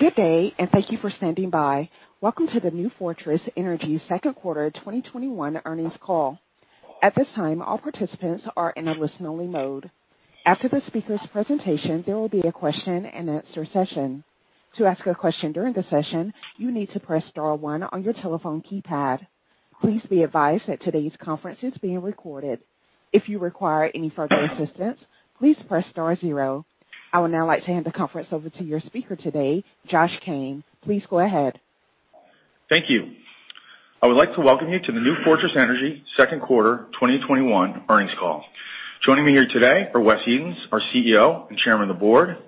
Good day, and thank you for standing by. Welcome to the New Fortress Energy second quarter 2021 earnings call. At this time, all participants are in a listen-only mode. After the speaker's presentation, there will be a question-and-answer session. To ask a question during the session, you need to press star one on your telephone keypad. Please be advised that today's conference is being recorded. If you require any further assistance, please press star zero. I would now like to hand the conference over to your speaker today, Josh Kane. Please go ahead. Thank you. I would like to welcome you to the New Fortress Energy second quarter 2021 earnings call. Joining me here today are Wesley Edens, our CEO and Chairman of the Board,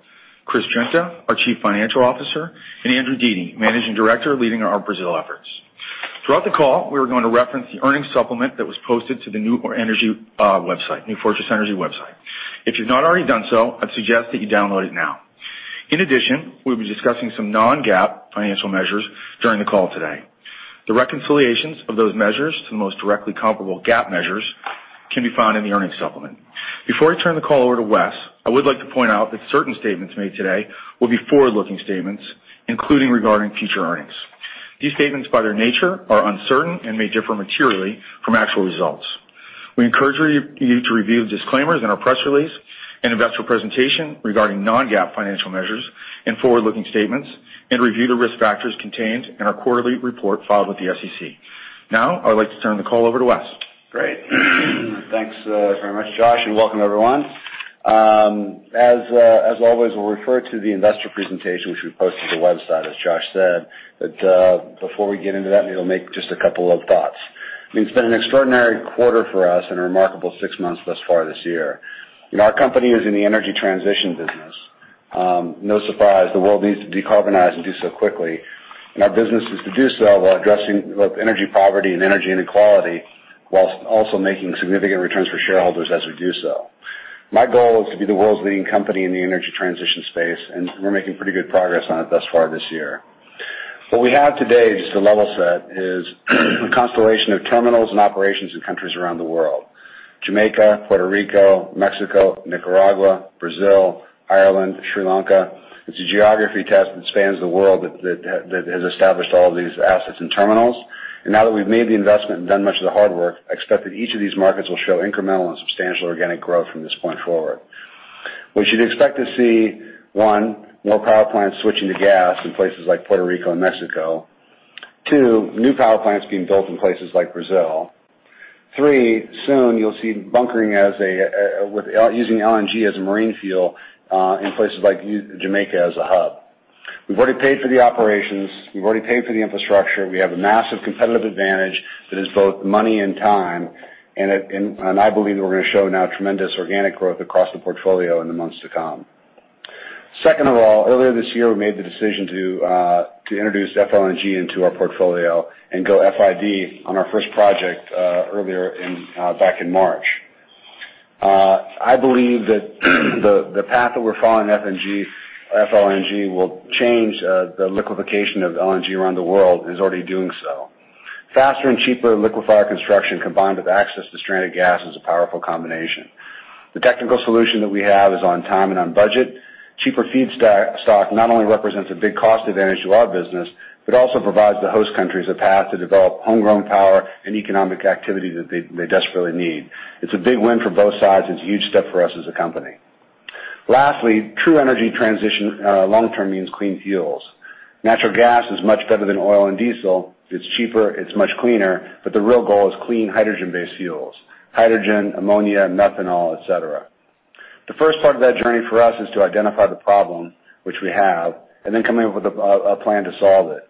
Chris Guinta, our Chief Financial Officer, and Andrew Dete, Managing Director leading our Brazil efforts. Throughout the call, we are going to reference the earnings supplement that was posted to the New Fortress Energy website. If you've not already done so, I'd suggest that you download it now. In addition, we'll be discussing some non-GAAP financial measures during the call today. The reconciliations of those measures to the most directly comparable GAAP measures can be found in the earnings supplement. Before I turn the call over to Wes, I would like to point out that certain statements made today will be forward-looking statements, including regarding future earnings. These statements, by their nature, are uncertain and may differ materially from actual results. We encourage you to review the disclaimers in our press release and investor presentation regarding non-GAAP financial measures and forward-looking statements, and review the risk factors contained in our quarterly report filed with the SEC. Now, I would like to turn the call over to Wes. Great. Thanks very much, Josh, and welcome, everyone. As always, we'll refer to the investor presentation, which we posted to the website, as Josh said. But before we get into that, maybe I'll make just a couple of thoughts. I mean, it's been an extraordinary quarter for us and a remarkable six months thus far this year. Our company is in the energy transition business. No surprise, the world needs to decarbonize and do so quickly. Our business is to do so while addressing both energy poverty and energy inequality, while also making significant returns for shareholders as we do so. My goal is to be the world's leading company in the energy transition space, and we're making pretty good progress on it thus far this year. What we have today, just to level set, is a constellation of terminals and operations in countries around the world: Jamaica, Puerto Rico, Mexico, Nicaragua, Brazil, Ireland, Sri Lanka. It's a geography test that spans the world that has established all of these assets and terminals. And now that we've made the investment and done much of the hard work, I expect that each of these markets will show incremental and substantial organic growth from this point forward. We should expect to see, one, more power plants switching to gas in places like Puerto Rico and Mexico. Two, new power plants being built in places like Brazil. Three, soon you'll see bunkering using LNG as a marine fuel in places like Jamaica as a hub. We've already paid for the operations. We've already paid for the infrastructure. We have a massive competitive advantage that is both money and time, and I believe that we're going to show now tremendous organic growth across the portfolio in the months to come. Second of all, earlier this year, we made the decision to introduce FLNG into our portfolio and go FID on our first project back in March. I believe that the path that we're following with FLNG will change the liquefaction of LNG around the world and is already doing so. Faster and cheaper liquefier construction combined with access to stranded gas is a powerful combination. The technical solution that we have is on time and on budget. Cheaper feedstock not only represents a big cost advantage to our business, but also provides the host countries a path to develop homegrown power and economic activity that they desperately need. It's a big win for both sides, and it's a huge step for us as a company. Lastly, true energy transition long-term means clean fuels. Natural gas is much better than oil and diesel. It's cheaper. It's much cleaner. But the real goal is clean hydrogen-based fuels: hydrogen, ammonia, methanol, etc. The first part of that journey for us is to identify the problem, which we have, and then come up with a plan to solve it.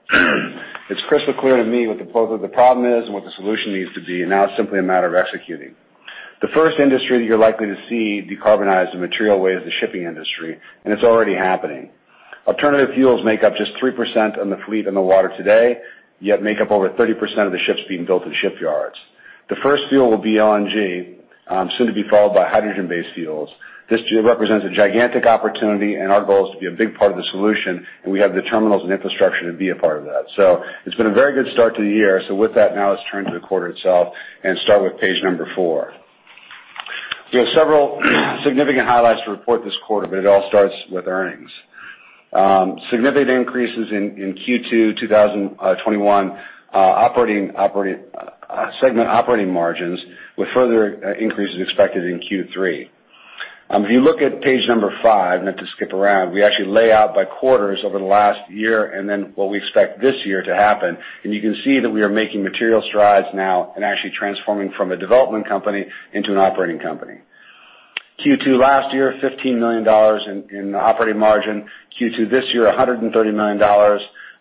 It's crystal clear to me what the problem is and what the solution needs to be, and now it's simply a matter of executing. The first industry that you're likely to see decarbonize in material ways is the shipping industry, and it's already happening. Alternative fuels make up just 3% of the fleet on the water today, yet make up over 30% of the ships being built in shipyards. The first fuel will be LNG, soon to be followed by hydrogen-based fuels. This represents a gigantic opportunity, and our goal is to be a big part of the solution, and we have the terminals and infrastructure to be a part of that. So it's been a very good start to the year. So with that, now let's turn to the quarter itself and start with page number four. We have several significant highlights to report this quarter, but it all starts with earnings. Significant increases in Q2 2021, segment operating margins with further increases expected in Q3. If you look at page number five, not to skip around, we actually lay out by quarters over the last year and then what we expect this year to happen, and you can see that we are making material strides now and actually transforming from a development company into an operating company. Q2 last year, $15 million in operating margin. Q2 this year, $130 million.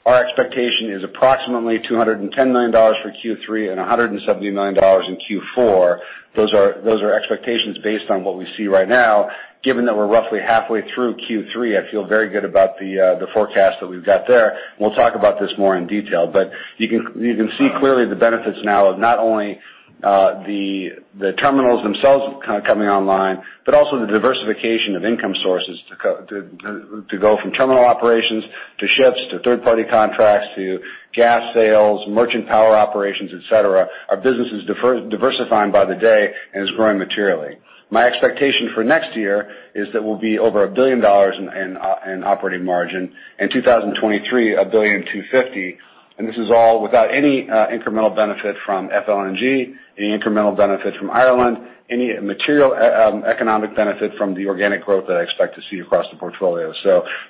Our expectation is approximately $210 million for Q3 and $170 million in Q4. Those are expectations based on what we see right now. Given that we're roughly halfway through Q3, I feel very good about the forecast that we've got there. We'll talk about this more in detail, but you can see clearly the benefits now of not only the terminals themselves coming online, but also the diversification of income sources to go from terminal operations to ships to third-party contracts to gas sales, merchant power operations, etc. Our business is diversifying by the day and is growing materially. My expectation for next year is that we'll be over $1 billion in operating margin, and 2023, $1.25 billion. This is all without any incremental benefit from FLNG, any incremental benefit from Ireland, any material economic benefit from the organic growth that I expect to see across the portfolio.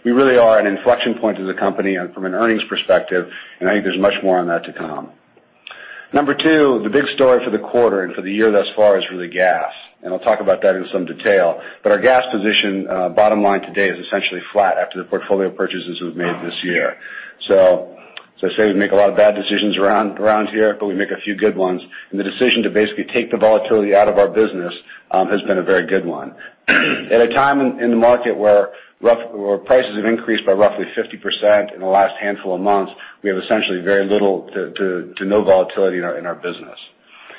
We really are at an inflection point as a company from an earnings perspective, and I think there's much more on that to come. Number two, the big story for the quarter and for the year thus far is really gas. I'll talk about that in some detail, but our gas position, bottom line today, is essentially flat after the portfolio purchases we've made this year. As I say, we make a lot of bad decisions around here, but we make a few good ones. The decision to basically take the volatility out of our business has been a very good one. At a time in the market where prices have increased by roughly 50% in the last handful of months, we have essentially very little to no volatility in our business.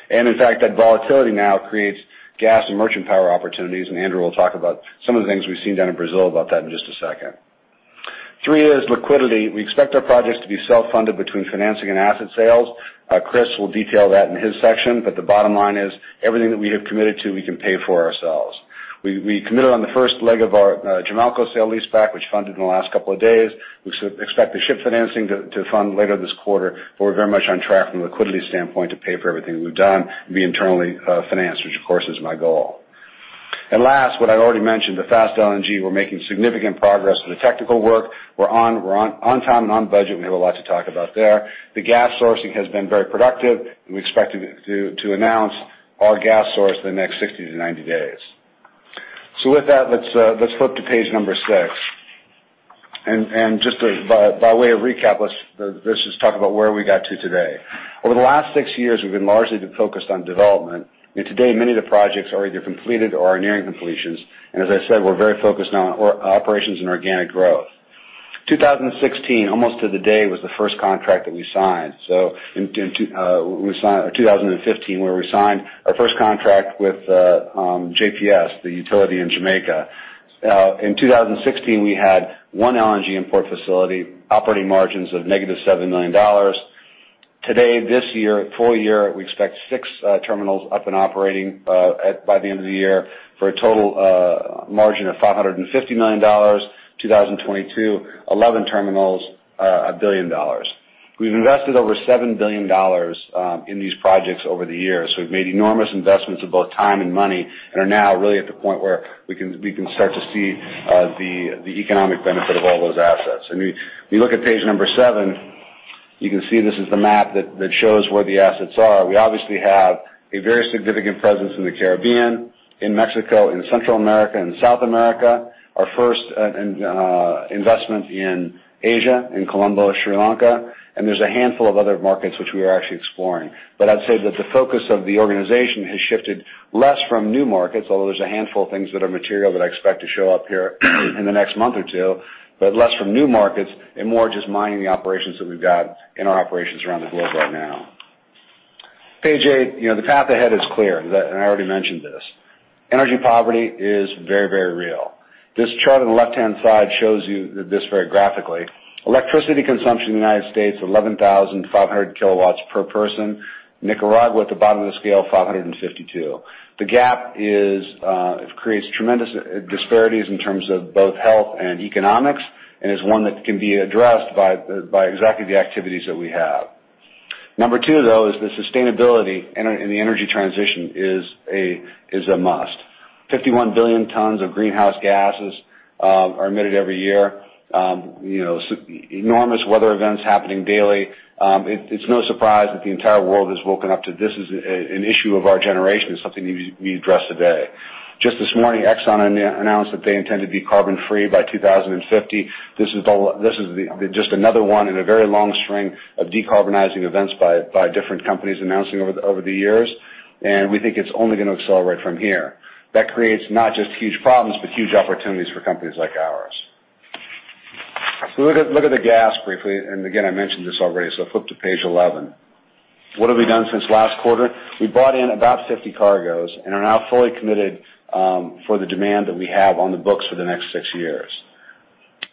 And in fact, that volatility now creates gas and merchant power opportunities, and Andrew will talk about some of the things we've seen down in Brazil about that in just a second. Three is liquidity. We expect our projects to be self-funded between financing and asset sales. Chris will detail that in his section, but the bottom line is everything that we have committed to, we can pay for ourselves. We committed on the first leg of our Jamalco sale-leaseback, which funded in the last couple of days. We expect the ship financing to fund later this quarter, but we're very much on track from a liquidity standpoint to pay for everything we've done and be internally financed, which of course is my goal, and last, what I already mentioned, the Fast LNG, we're making significant progress with the technical work. We're on time and on budget. We have a lot to talk about there. The gas sourcing has been very productive, and we expect to announce our gas source in the next 60 to 90 days, so with that, let's flip to page number six. And just by way of recap, let's just talk about where we got to today. Over the last six years, we've been largely focused on development. Today, many of the projects are either completed or are nearing completions, and as I said, we're very focused now on operations and organic growth. 2016, almost to the day, was the first contract that we signed. So in 2015, where we signed our first contract with JPS, the utility in Jamaica. In 2016, we had one LNG import facility, operating margins of negative $7 million. Today, this year, full year, we expect six terminals up and operating by the end of the year for a total margin of $550 million. 2022, 11 terminals, $1 billion. We've invested over $7 billion in these projects over the years. So we've made enormous investments of both time and money and are now really at the point where we can start to see the economic benefit of all those assets. And if you look at page number seven, you can see this is the map that shows where the assets are. We obviously have a very significant presence in the Caribbean, in Mexico, in Central America, in South America, our first investment in Asia, in Colombo, Sri Lanka, and there's a handful of other markets which we are actually exploring. But I'd say that the focus of the organization has shifted less from new markets, although there's a handful of things that are material that I expect to show up here in the next month or two, but less from new markets and more just mining the operations that we've got in our operations around the globe right now. Page eight, the path ahead is clear, and I already mentioned this. Energy poverty is very, very real. This chart on the left-hand side shows you this very graphically. Electricity consumption in the United States, 11,500 kilowatts per person. Nicaragua at the bottom of the scale, 552. The gap creates tremendous disparities in terms of both health and economics and is one that can be addressed by exactly the activities that we have. Number two, though, is the sustainability in the energy transition is a must. 51 billion tons of greenhouse gases are emitted every year. Enormous weather events happening daily. It's no surprise that the entire world has woken up to this as an issue of our generation, something we address today. Just this morning, Exxon announced that they intend to be carbon-free by 2050. This is just another one in a very long string of decarbonizing events by different companies announcing over the years, and we think it's only going to accelerate from here. That creates not just huge problems, but huge opportunities for companies like ours. So look at the gas briefly, and again, I mentioned this already, so flip to page 11. What have we done since last quarter? We bought in about 50 cargoes and are now fully committed for the demand that we have on the books for the next six years.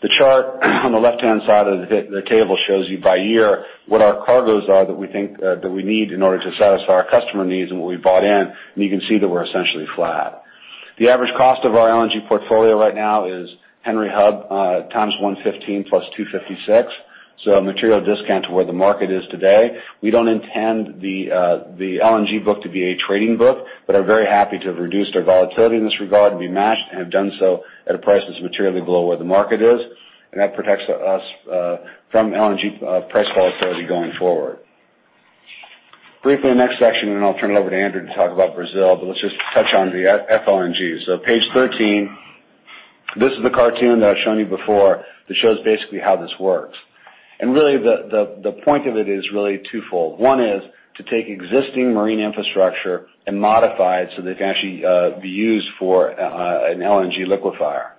The chart on the left-hand side of the table shows you by year what our cargoes are that we think that we need in order to satisfy our customer needs and what we bought in, and you can see that we're essentially flat. The average cost of our LNG portfolio right now is Henry Hub times 115 plus 256, so a material discount to where the market is today. We don't intend the LNG book to be a trading book, but are very happy to have reduced our volatility in this regard and be matched and have done so at a price that's materially below where the market is, and that protects us from LNG price volatility going forward. Briefly, next section, and then I'll turn it over to Andrew to talk about Brazil, but let's just touch on the FLNG. So page 13, this is the cartoon that I've shown you before that shows basically how this works. And really, the point of it is really twofold. One is to take existing marine infrastructure and modify it so they can actually be used for an LNG liquefier.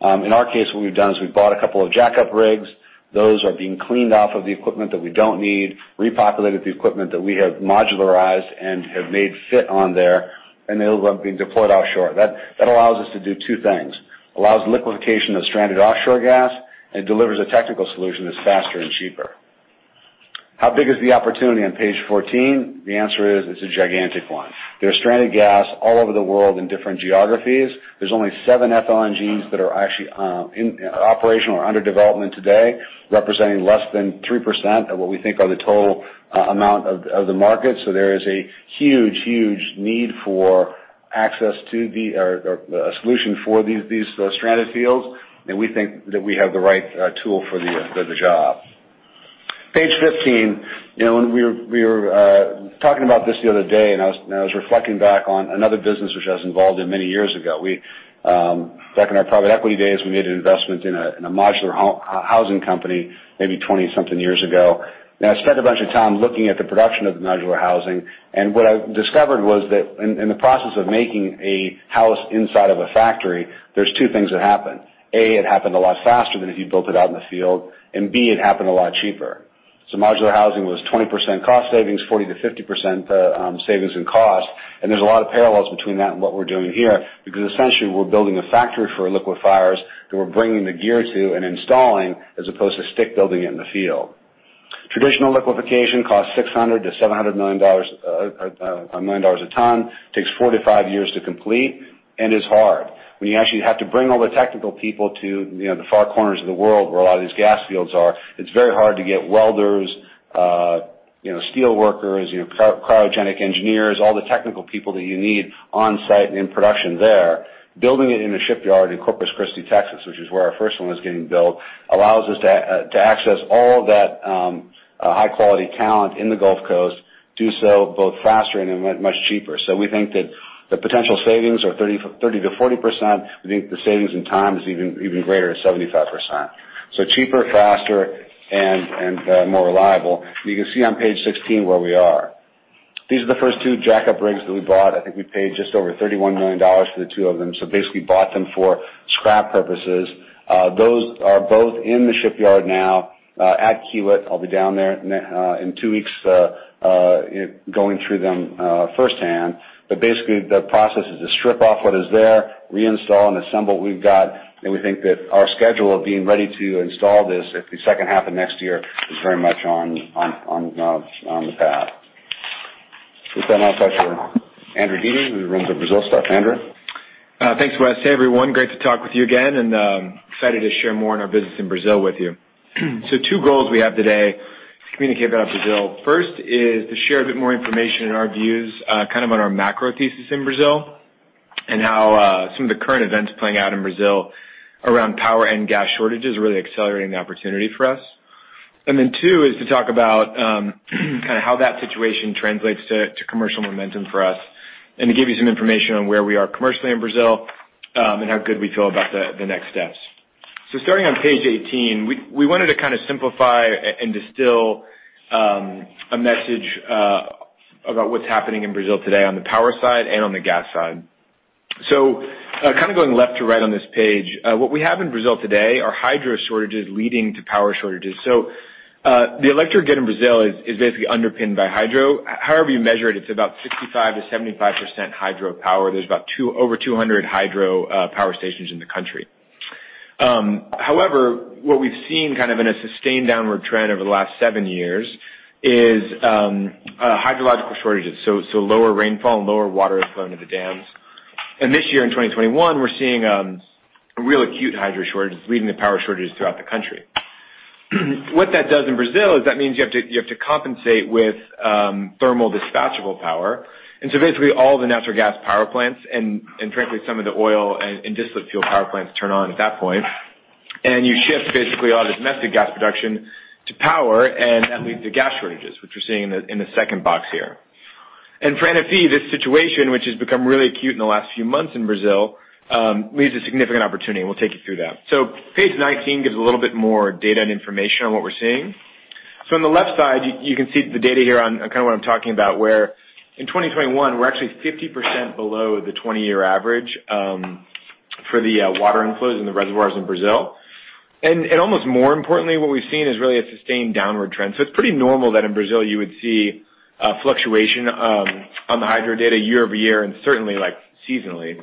In our case, what we've done is we bought a couple of jack-up rigs. Those are being cleaned off of the equipment that we don't need, repopulated the equipment that we have modularized and have made fit on there, and they're being deployed offshore. That allows us to do two things. It allows liquefaction of stranded offshore gas, and it delivers a technical solution that's faster and cheaper. How big is the opportunity on page 14? The answer is it's a gigantic one. There's stranded gas all over the world in different geographies. There's only seven FLNGs that are actually operational or under development today, representing less than 3% of what we think are the total amount of the market. So there is a huge, huge need for access to the solution for these stranded fields, and we think that we have the right tool for the job. We were talking about this the other day, and I was reflecting back on another business which I was involved in many years ago. Back in our private equity days, we made an investment in a modular housing company maybe 20-something years ago. And I spent a bunch of time looking at the production of the modular housing, and what I discovered was that in the process of making a house inside of a factory, there's two things that happen. A, it happened a lot faster than if you built it out in the field, and B, it happened a lot cheaper. Modular housing was 20% cost savings, 40%-50% savings in cost, and there's a lot of parallels between that and what we're doing here because essentially we're building a factory for liquefiers that we're bringing the gear to and installing as opposed to stick building it in the field. Traditional liquefaction costs $600-$700 million a ton, takes four to five years to complete, and is hard. When you actually have to bring all the technical people to the far corners of the world where a lot of these gas fields are, it's very hard to get welders, steel workers, cryogenic engineers, all the technical people that you need on site and in production there. Building it in a shipyard in Corpus Christi, Texas, which is where our first one is getting built, allows us to access all that high-quality talent in the Gulf Coast, do so both faster and much cheaper. So we think that the potential savings are 30%-40%. We think the savings in time is even greater at 75%. So cheaper, faster, and more reliable. You can see on page 16 where we are. These are the first two jack-up rigs that we bought. I think we paid just over $31 million for the two of them, so basically bought them for scrap purposes. Those are both in the shipyard now at Kiewit. I'll be down there in two weeks going through them firsthand. But basically, the process is to strip off what is there, reinstall, and assemble what we've got. We think that our schedule of being ready to install this at the second half of next year is very much on the path. With that, I'll pass you to Andrew Dete, who runs the Brazil stuff. Andrew? Thanks, Wes. Hey, everyone. Great to talk with you again, and excited to share more on our business in Brazil with you. Two goals we have today to communicate about Brazil. First is to share a bit more information in our views, kind of on our macro thesis in Brazil and how some of the current events playing out in Brazil around power and gas shortages are really accelerating the opportunity for us. And then two is to talk about kind of how that situation translates to commercial momentum for us and to give you some information on where we are commercially in Brazil and how good we feel about the next steps. So starting on page 18, we wanted to kind of simplify and distill a message about what's happening in Brazil today on the power side and on the gas side. So kind of going left to right on this page, what we have in Brazil today are hydro shortages leading to power shortages. So the electric grid in Brazil is basically underpinned by hydro. However you measure it, it's about 65%-75% hydro power. There's about over 200 hydro power stations in the country. However, what we've seen kind of in a sustained downward trend over the last seven years is hydrological shortages, so lower rainfall and lower water flow into the dams. And this year, in 2021, we're seeing real acute hydro shortages leading to power shortages throughout the country. What that does in Brazil is that means you have to compensate with thermal dispatchable power. And so basically, all the natural gas power plants and frankly, some of the oil and diesel fuel power plants turn on at that point, and you shift basically all the domestic gas production to power and that leads to gas shortages, which we're seeing in the second box here. And for NFE, this situation, which has become really acute in the last few months in Brazil, leads to significant opportunity, and we'll take you through that. Page 19 gives a little bit more data and information on what we're seeing. On the left side, you can see the data here on kind of what I'm talking about, where in 2021, we're actually 50% below the 20-year average for the water inflows in the reservoirs in Brazil. Almost more importantly, what we've seen is really a sustained downward trend. It's pretty normal that in Brazil, you would see fluctuation on the hydro data year over year and certainly seasonally.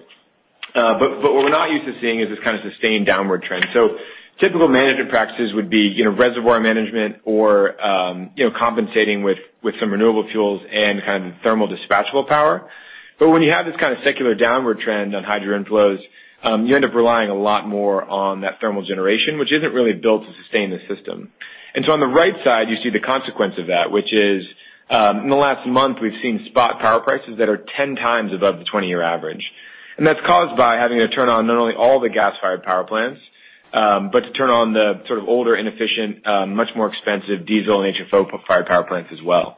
What we're not used to seeing is this kind of sustained downward trend. Typical management practices would be reservoir management or compensating with some renewable fuels and kind of thermal dispatchable power. But when you have this kind of secular downward trend on hydro inflows, you end up relying a lot more on that thermal generation, which isn't really built to sustain the system. And so on the right side, you see the consequence of that, which is in the last month, we've seen spot power prices that are 10 times above the 20-year average. And that's caused by having to turn on not only all the gas-fired power plants, but to turn on the sort of older, inefficient, much more expensive diesel and HFO-fired power plants as well.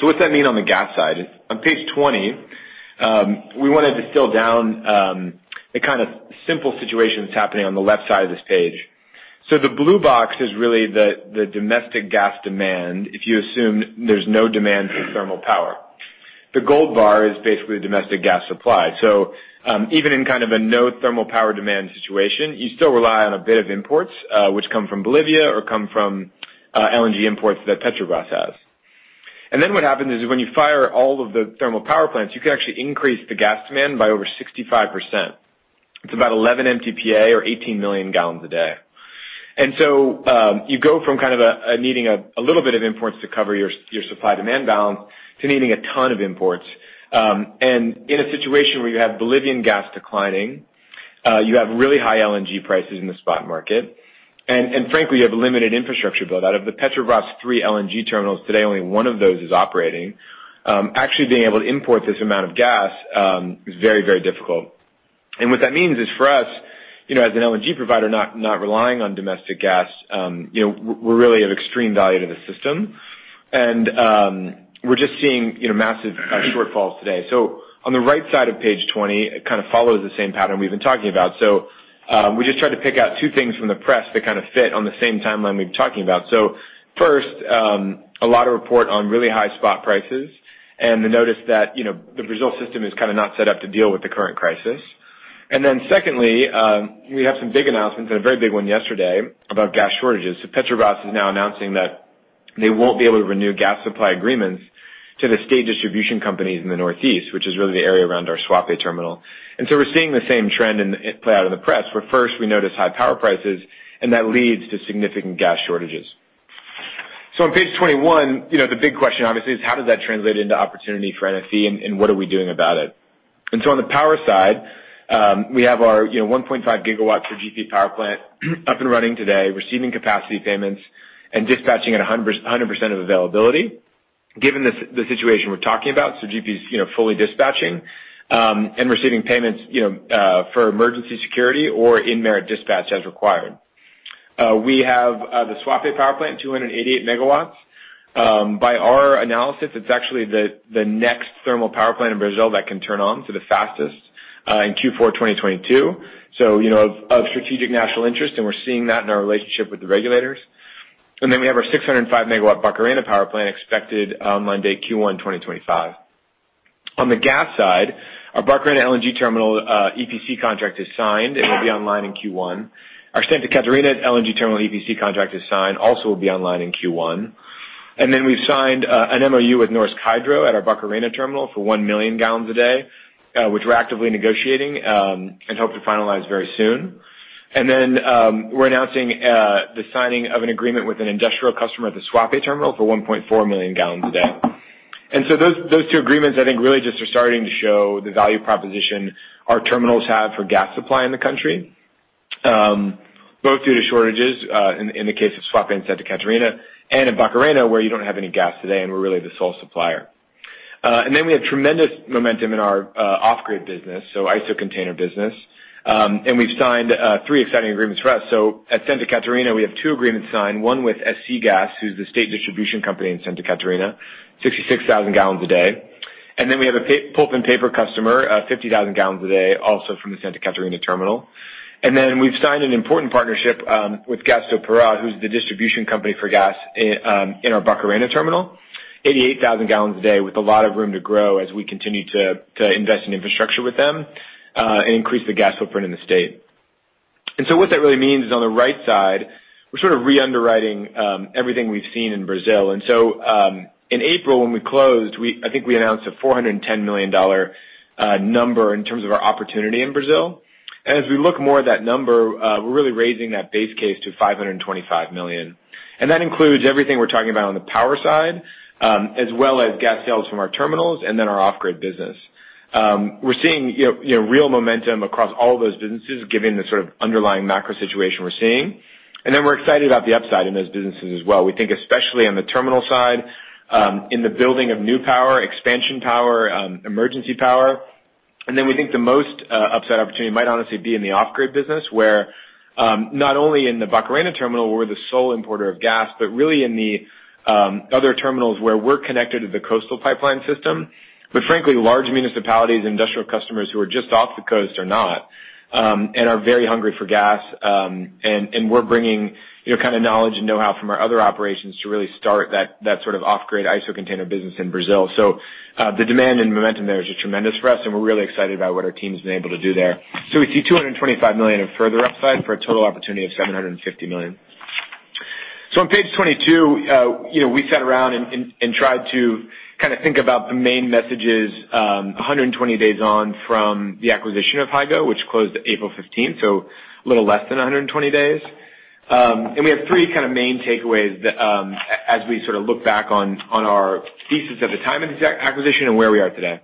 So what's that mean on the gas side? On page 20, we want to distill down the kind of simple situation that's happening on the left side of this page. So the blue box is really the domestic gas demand if you assume there's no demand for thermal power. The gold bar is basically domestic gas supply, so even in kind of a no thermal power demand situation, you still rely on a bit of imports which come from Bolivia or come from LNG imports that Petrobras has, and then what happens is when you fire all of the thermal power plants, you can actually increase the gas demand by over 65%. It's about 11 MTPA or 18 million gallons a day, and so you go from kind of needing a little bit of imports to cover your supply-demand balance to needing a ton of imports, and in a situation where you have Bolivian gas declining, you have really high LNG prices in the spot market, and frankly, you have limited infrastructure build-out. Of the Petrobras three LNG terminals today, only one of those is operating, actually being able to import this amount of gas is very, very difficult. And what that means is for us, as an LNG provider, not relying on domestic gas, we're really of extreme value to the system. And we're just seeing massive shortfalls today. So on the right side of page 20, it kind of follows the same pattern we've been talking about. So we just tried to pick out two things from the press that kind of fit on the same timeline we've been talking about. So first, a lot of reports on really high spot prices and the notice that the Brazil system is kind of not set up to deal with the current crisis. And then secondly, we have some big announcements, a very big one yesterday, about gas shortages. Petrobras is now announcing that they won't be able to renew gas supply agreements to the state distribution companies in the northeast, which is really the area around our Suape terminal. We're seeing the same trend play out in the press, where first we notice high power prices, and that leads to significant gas shortages. On page 21, the big question obviously is how does that translate into opportunity for NFE, and what are we doing about it? On the power side, we have our 1.5 gigawatts of Sergipe power plant up and running today, receiving capacity payments and dispatching at 100% of availability given the situation we're talking about. Sergipe is fully dispatching and receiving payments for emergency security or in merit dispatch as required. We have the Suape power plant, 288 megawatts. By our analysis, it's actually the next thermal power plant in Brazil that can turn on the fastest in Q4 2022, so of strategic national interest, and we're seeing that in our relationship with the regulators. And then we have our 605-megawatt Barcarena power plant expected online in Q1 2025. On the gas side, our Barcarena LNG terminal EPC contract is signed. It will be online in Q1. Our Santa Catarina LNG terminal EPC contract is signed. Also will be online in Q1. And then we've signed an MOU with Norsk Hydro at our Barcarena terminal for 1 million gallons a day, which we're actively negotiating and hope to finalize very soon. And then we're announcing the signing of an agreement with an industrial customer at the Suape terminal for 1.4 million gallons a day. And so those two agreements, I think, really just are starting to show the value proposition our terminals have for gas supply in the country, both due to shortages in the case of SCGÁS in Santa Catarina and in Barcarena where you don't have any gas today and we're really the sole supplier. And then we have tremendous momentum in our off-grid business, so ISO container business. And we've signed three exciting agreements for us. So at Santa Catarina, we have two agreements signed, one with SCGÁS, who's the state distribution company in Santa Catarina, 66,000 gallons a day. And then we have a pulp and paper customer, 50,000 gallons a day, also from the Santa Catarina terminal. And then we've signed an important partnership with Gas do Pará, who's the distribution company for gas in our Barcarena terminal, 88,000 gallons a day with a lot of room to grow as we continue to invest in infrastructure with them and increase the gas footprint in the state. And so what that really means is on the right side, we're sort of re-underwriting everything we've seen in Brazil. And so in April, when we closed, I think we announced a $410 million number in terms of our opportunity in Brazil. And as we look more at that number, we're really raising that base case to $525 million. And that includes everything we're talking about on the power side, as well as gas sales from our terminals and then our off-grid business. We're seeing real momentum across all those businesses given the sort of underlying macro situation we're seeing. And then we're excited about the upside in those businesses as well. We think especially on the terminal side in the building of new power, expansion power, emergency power. And then we think the most upside opportunity might honestly be in the off-grid business, where not only in the Barcarena terminal, we're the sole importer of gas, but really in the other terminals where we're connected to the coastal pipeline system. But frankly, large municipalities and industrial customers who are just off the coast are not and are very hungry for gas. And we're bringing kind of knowledge and know-how from our other operations to really start that sort of off-grid ISO container business in Brazil. So the demand and momentum there is just tremendous for us, and we're really excited about what our team has been able to do there. We see $225 million of further upside for a total opportunity of $750 million. On page 22, we sat around and tried to kind of think about the main messages 120 days on from the acquisition of Hygo, which closed April 15th, so a little less than 120 days. We have three kind of main takeaways as we sort of look back on our thesis at the time of this acquisition and where we are today.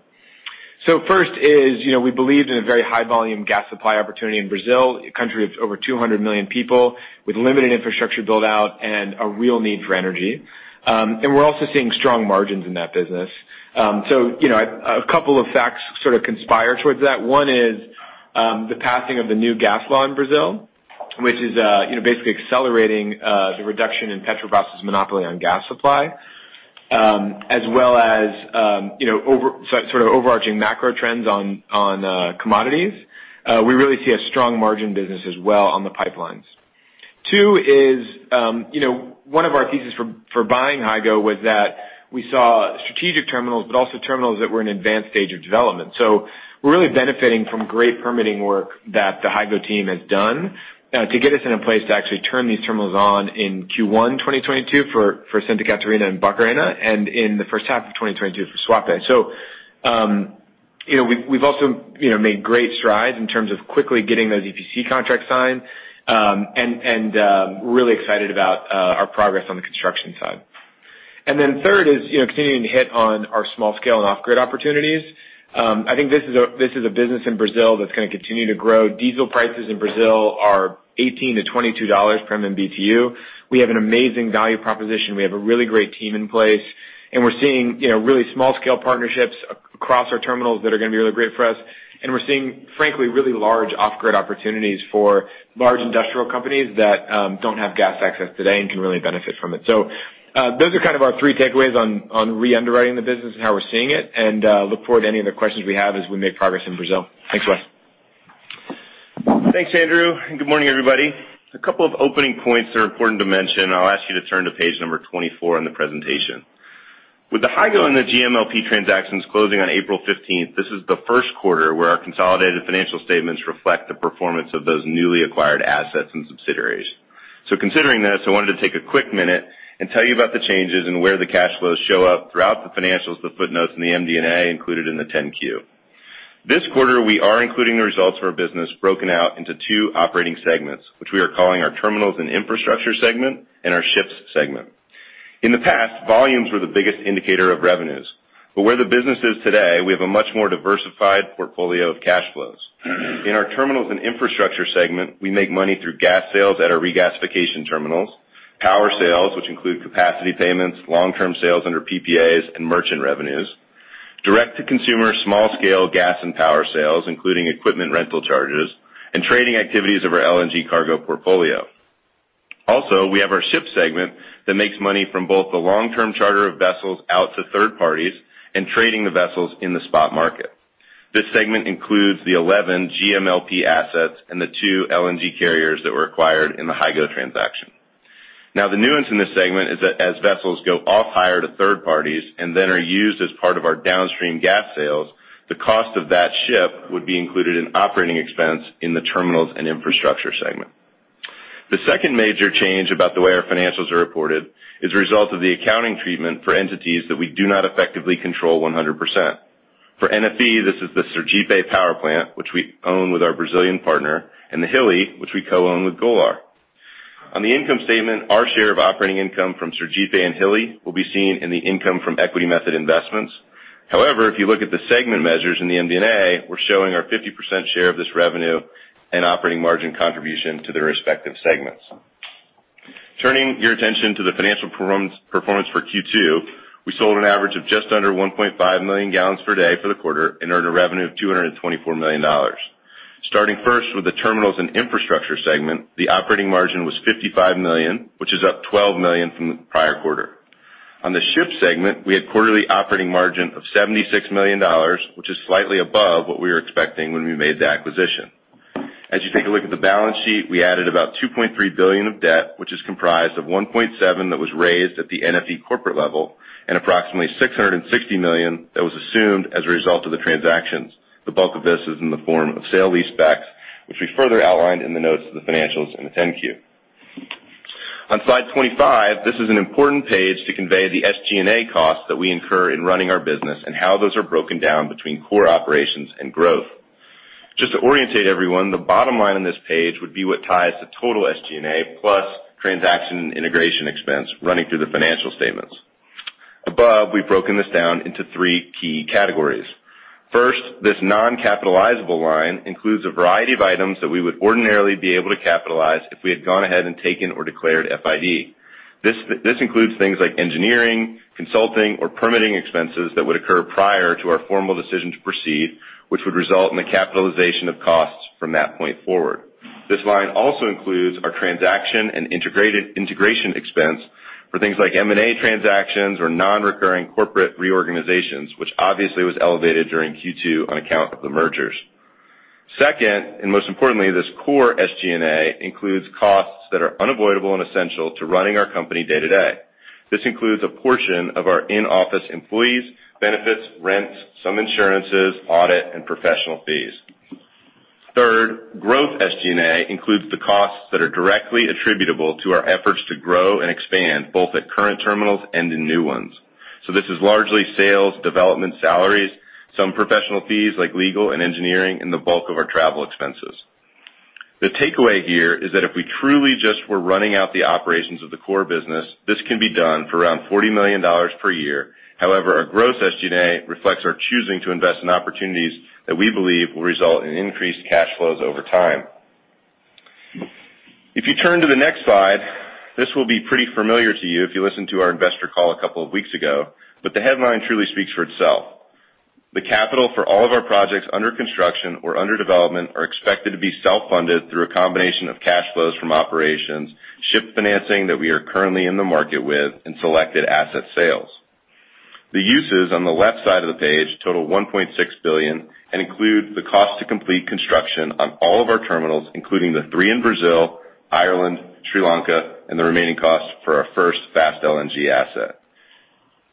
First is we believed in a very high-volume gas supply opportunity in Brazil, a country of over 200 million people with limited infrastructure build-out and a real need for energy. We're also seeing strong margins in that business. A couple of facts sort of conspire towards that. One is the passing of the new gas law in Brazil, which is basically accelerating the reduction in Petrobras's monopoly on gas supply, as well as sort of overarching macro trends on commodities. We really see a strong margin business as well on the pipelines. Two is one of our theses for buying Hygo was that we saw strategic terminals, but also terminals that were in advanced stage of development, so we're really benefiting from great permitting work that the Hygo team has done to get us in a place to actually turn these terminals on in Q1 2022 for Santa Catarina and Barcarena and in the first half of 2022 for Suape, so we've also made great strides in terms of quickly getting those EPC contracts signed, and we're really excited about our progress on the construction side. Then the third is continuing to hit on our small-scale and off-grid opportunities. I think this is a business in Brazil that's going to continue to grow. Diesel prices in Brazil are $18-$22 per MMBtu. We have an amazing value proposition. We have a really great team in place, and we're seeing really small-scale partnerships across our terminals that are going to be really great for us. And we're seeing, frankly, really large off-grid opportunities for large industrial companies that don't have gas access today and can really benefit from it. So those are kind of our three takeaways on re-underwriting the business and how we're seeing it. And look forward to any of the questions we have as we make progress in Brazil. Thanks, Wes. Thanks, Andrew. Good morning, everybody. A couple of opening points that are important to mention. I'll ask you to turn to page number 24 in the presentation. With the Hygo and the GMLP transactions closing on April 15th, this is the first quarter where our consolidated financial statements reflect the performance of those newly acquired assets and subsidiaries. So considering this, I wanted to take a quick minute and tell you about the changes and where the cash flows show up throughout the financials, the footnotes, and the MD&A included in the 10-Q. This quarter, we are including the results of our business broken out into two operating segments, which we are calling our terminals and infrastructure segment and our ships segment. In the past, volumes were the biggest indicator of revenues. But where the business is today, we have a much more diversified portfolio of cash flows. In our terminals and infrastructure segment, we make money through gas sales at our regasification terminals, power sales, which include capacity payments, long-term sales under PPAs, and merchant revenues, direct-to-consumer small-scale gas and power sales, including equipment rental charges, and trading activities of our LNG cargo portfolio. Also, we have our ships segment that makes money from both the long-term charter of vessels out to third parties and trading the vessels in the spot market. This segment includes the 11 GMLP assets and the two LNG carriers that were acquired in the Hygo transaction. Now, the nuance in this segment is that as vessels go off-hire to third parties and then are used as part of our downstream gas sales, the cost of that ship would be included in operating expense in the terminals and infrastructure segment. The second major change about the way our financials are reported is a result of the accounting treatment for entities that we do not effectively control 100%. For NFE, this is the Sergipe Power Plant, which we own with our Brazilian partner, and the Hilli, which we co-own with Golar. On the income statement, our share of operating income from Sergipe and Hilli will be seen in the income from equity method investments. However, if you look at the segment measures in the MD&A, we're showing our 50% share of this revenue and operating margin contribution to the respective segments. Turning your attention to the financial performance for Q2, we sold an average of just under 1.5 million gallons per day for the quarter and earned a revenue of $224 million. Starting first with the terminals and infrastructure segment, the operating margin was $55 million, which is up $12 million from the prior quarter. On the ships segment, we had quarterly operating margin of $76 million, which is slightly above what we were expecting when we made the acquisition. As you take a look at the balance sheet, we added about $2.3 billion of debt, which is comprised of $1.7 billion that was raised at the NFE corporate level and approximately $660 million that was assumed as a result of the transactions. The bulk of this is in the form of sale-leaseback, which we further outlined in the notes to the financials in the 10-Q. On slide 25, this is an important page to convey the SG&A costs that we incur in running our business and how those are broken down between core operations and growth. Just to orientate everyone, the bottom line on this page would be what ties the total SG&A plus transaction and integration expense running through the financial statements. Above, we've broken this down into three key categories. First, this non-capitalizable line includes a variety of items that we would ordinarily be able to capitalize if we had gone ahead and taken or declared FID. This includes things like engineering, consulting, or permitting expenses that would occur prior to our formal decision to proceed, which would result in the capitalization of costs from that point forward. This line also includes our transaction and integration expense for things like M&A transactions or non-recurring corporate reorganizations, which obviously was elevated during Q2 on account of the mergers. Second, and most importantly, this core SG&A includes costs that are unavoidable and essential to running our company day-to-day. This includes a portion of our in-office employees, benefits, rents, some insurances, audit, and professional fees. Third, growth SG&A includes the costs that are directly attributable to our efforts to grow and expand, both at current terminals and in new ones. So this is largely sales, development, salaries, some professional fees like legal and engineering, and the bulk of our travel expenses. The takeaway here is that if we truly just were running the operations of the core business, this can be done for around $40 million per year. However, our growth SG&A reflects our choosing to invest in opportunities that we believe will result in increased cash flows over time. If you turn to the next slide, this will be pretty familiar to you if you listened to our investor call a couple of weeks ago, but the headline truly speaks for itself. The capital for all of our projects under construction or under development are expected to be self-funded through a combination of cash flows from operations, ship financing that we are currently in the market with, and selected asset sales. The uses on the left side of the page total $1.6 billion and include the cost to complete construction on all of our terminals, including the three in Brazil, Ireland, Sri Lanka, and the remaining cost for our first Fast LNG asset.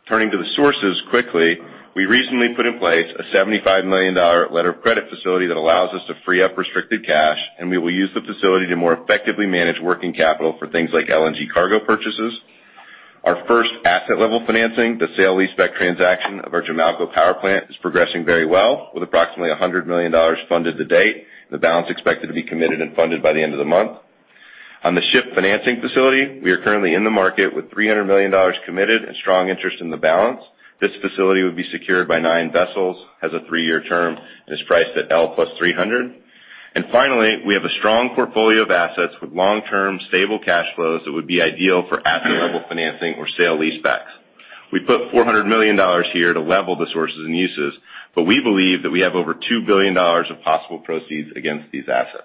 Turning to the sources quickly, we recently put in place a $75 million letter of credit facility that allows us to free up restricted cash, and we will use the facility to more effectively manage working capital for things like LNG cargo purchases. Our first asset-level financing, the sale-leaseback transaction of our Jamalco power plant, is progressing very well with approximately $100 million funded to date, the balance expected to be committed and funded by the end of the month. On the ship financing facility, we are currently in the market with $300 million committed and strong interest in the balance. This facility would be secured by nine vessels, has a three-year term, and is priced at L plus 300. And finally, we have a strong portfolio of assets with long-term stable cash flows that would be ideal for asset-level financing or sale-leasebacks. We put $400 million here to level the sources and uses, but we believe that we have over $2 billion of possible proceeds against these assets.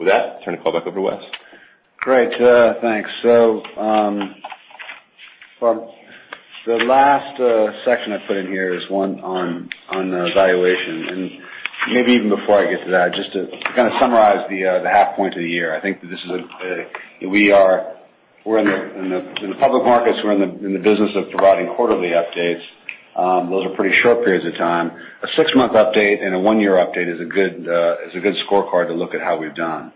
With that, turn the call back over to Wes. Great. Thanks. So the last section I put in here is one on valuation. And maybe even before I get to that, just to kind of summarize the halfway point of the year, I think that this is. We are in the public markets, we're in the business of providing quarterly updates. Those are pretty short periods of time. A six-month update and a one-year update is a good scorecard to look at how we've done.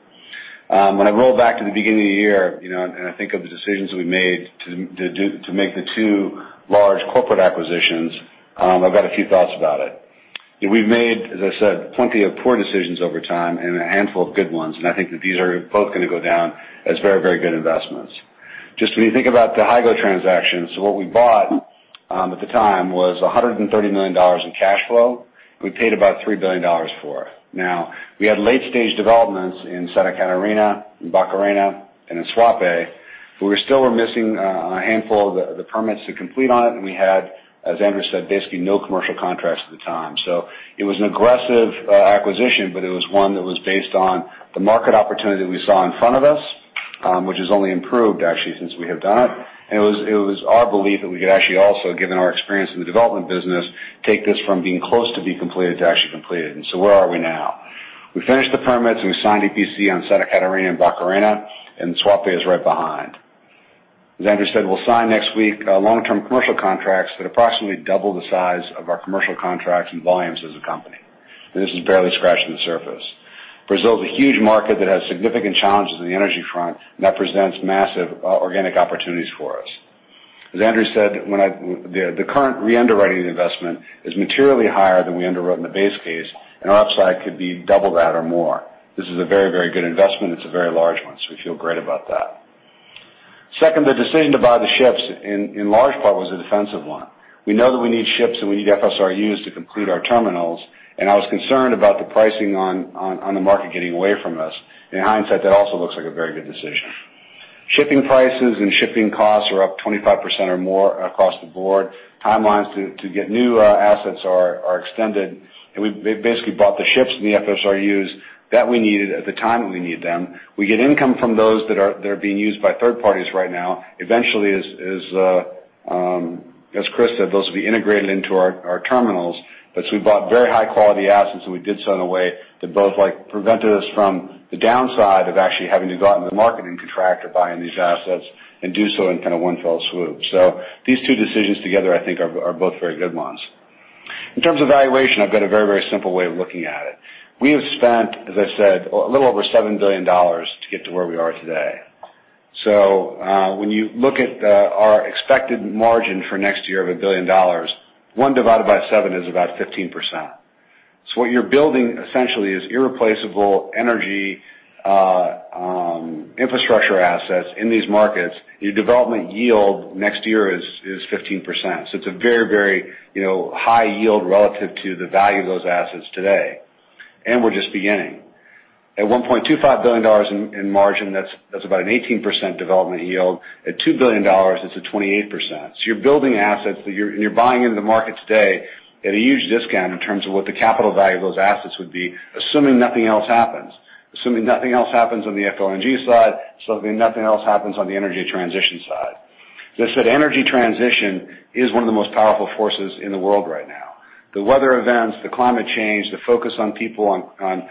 When I roll back to the beginning of the year and I think of the decisions that we made to make the two large corporate acquisitions, I've got a few thoughts about it. We've made, as I said, plenty of poor decisions over time and a handful of good ones, and I think that these are both going to go down as very, very good investments. Just when you think about the Hygo transaction, so what we bought at the time was $130 million in cash flow we paid about $3 billion for. Now, we had late-stage developments in Santa Catarina, in Barcarena, and in Suape, but we still were missing a handful of the permits to complete on it, and we had, as Andrew said, basically no commercial contracts at the time. So it was an aggressive acquisition, but it was one that was based on the market opportunity that we saw in front of us, which has only improved actually since we have done it. It was our belief that we could actually also, given our experience in the development business, take this from being close to being completed to actually completed. So where are we now? We finished the permits, and we signed EPC on Santa Catarina and Barcarena, and Suape is right behind. As Andrew said, we'll sign next week long-term commercial contracts that approximately double the size of our commercial contracts and volumes as a company. And this is barely scratching the surface. Brazil is a huge market that has significant challenges on the energy front, and that presents massive organic opportunities for us. As Andrew said, the current re-underwriting investment is materially higher than we underwrote in the base case, and our upside could be double that or more. This is a very, very good investment. It's a very large one, so we feel great about that. Second, the decision to buy the ships in large part was a defensive one. We know that we need ships and we need FSRUs to complete our terminals, and I was concerned about the pricing on the market getting away from us. In hindsight, that also looks like a very good decision. Shipping prices and shipping costs are up 25% or more across the board. Timelines to get new assets are extended, and we basically bought the ships and the FSRUs that we needed at the time that we need them. We get income from those that are being used by third parties right now. Eventually, as Chris said, those will be integrated into our terminals, but we bought very high-quality assets, and we did so in a way that both prevented us from the downside of actually having to go out in the market and contract or buy in these assets and do so in kind of one fell swoop. These two decisions together, I think, are both very good ones. In terms of valuation, I've got a very, very simple way of looking at it. We have spent, as I said, a little over $7 billion to get to where we are today. When you look at our expected margin for next year of $1 billion, 1 divided by 7 is about 15%. What you're building essentially is irreplaceable energy infrastructure assets in these markets. Your development yield next year is 15%. It's a very, very high yield relative to the value of those assets today. And we're just beginning. At $1.25 billion in margin, that's about an 18% development yield. At $2 billion, it's a 28%. So you're building assets that you're buying into the market today at a huge discount in terms of what the capital value of those assets would be, assuming nothing else happens. Assuming nothing else happens on the FLNG side, assuming nothing else happens on the energy transition side. As I said, energy transition is one of the most powerful forces in the world right now. The weather events, the climate change, the focus on people, on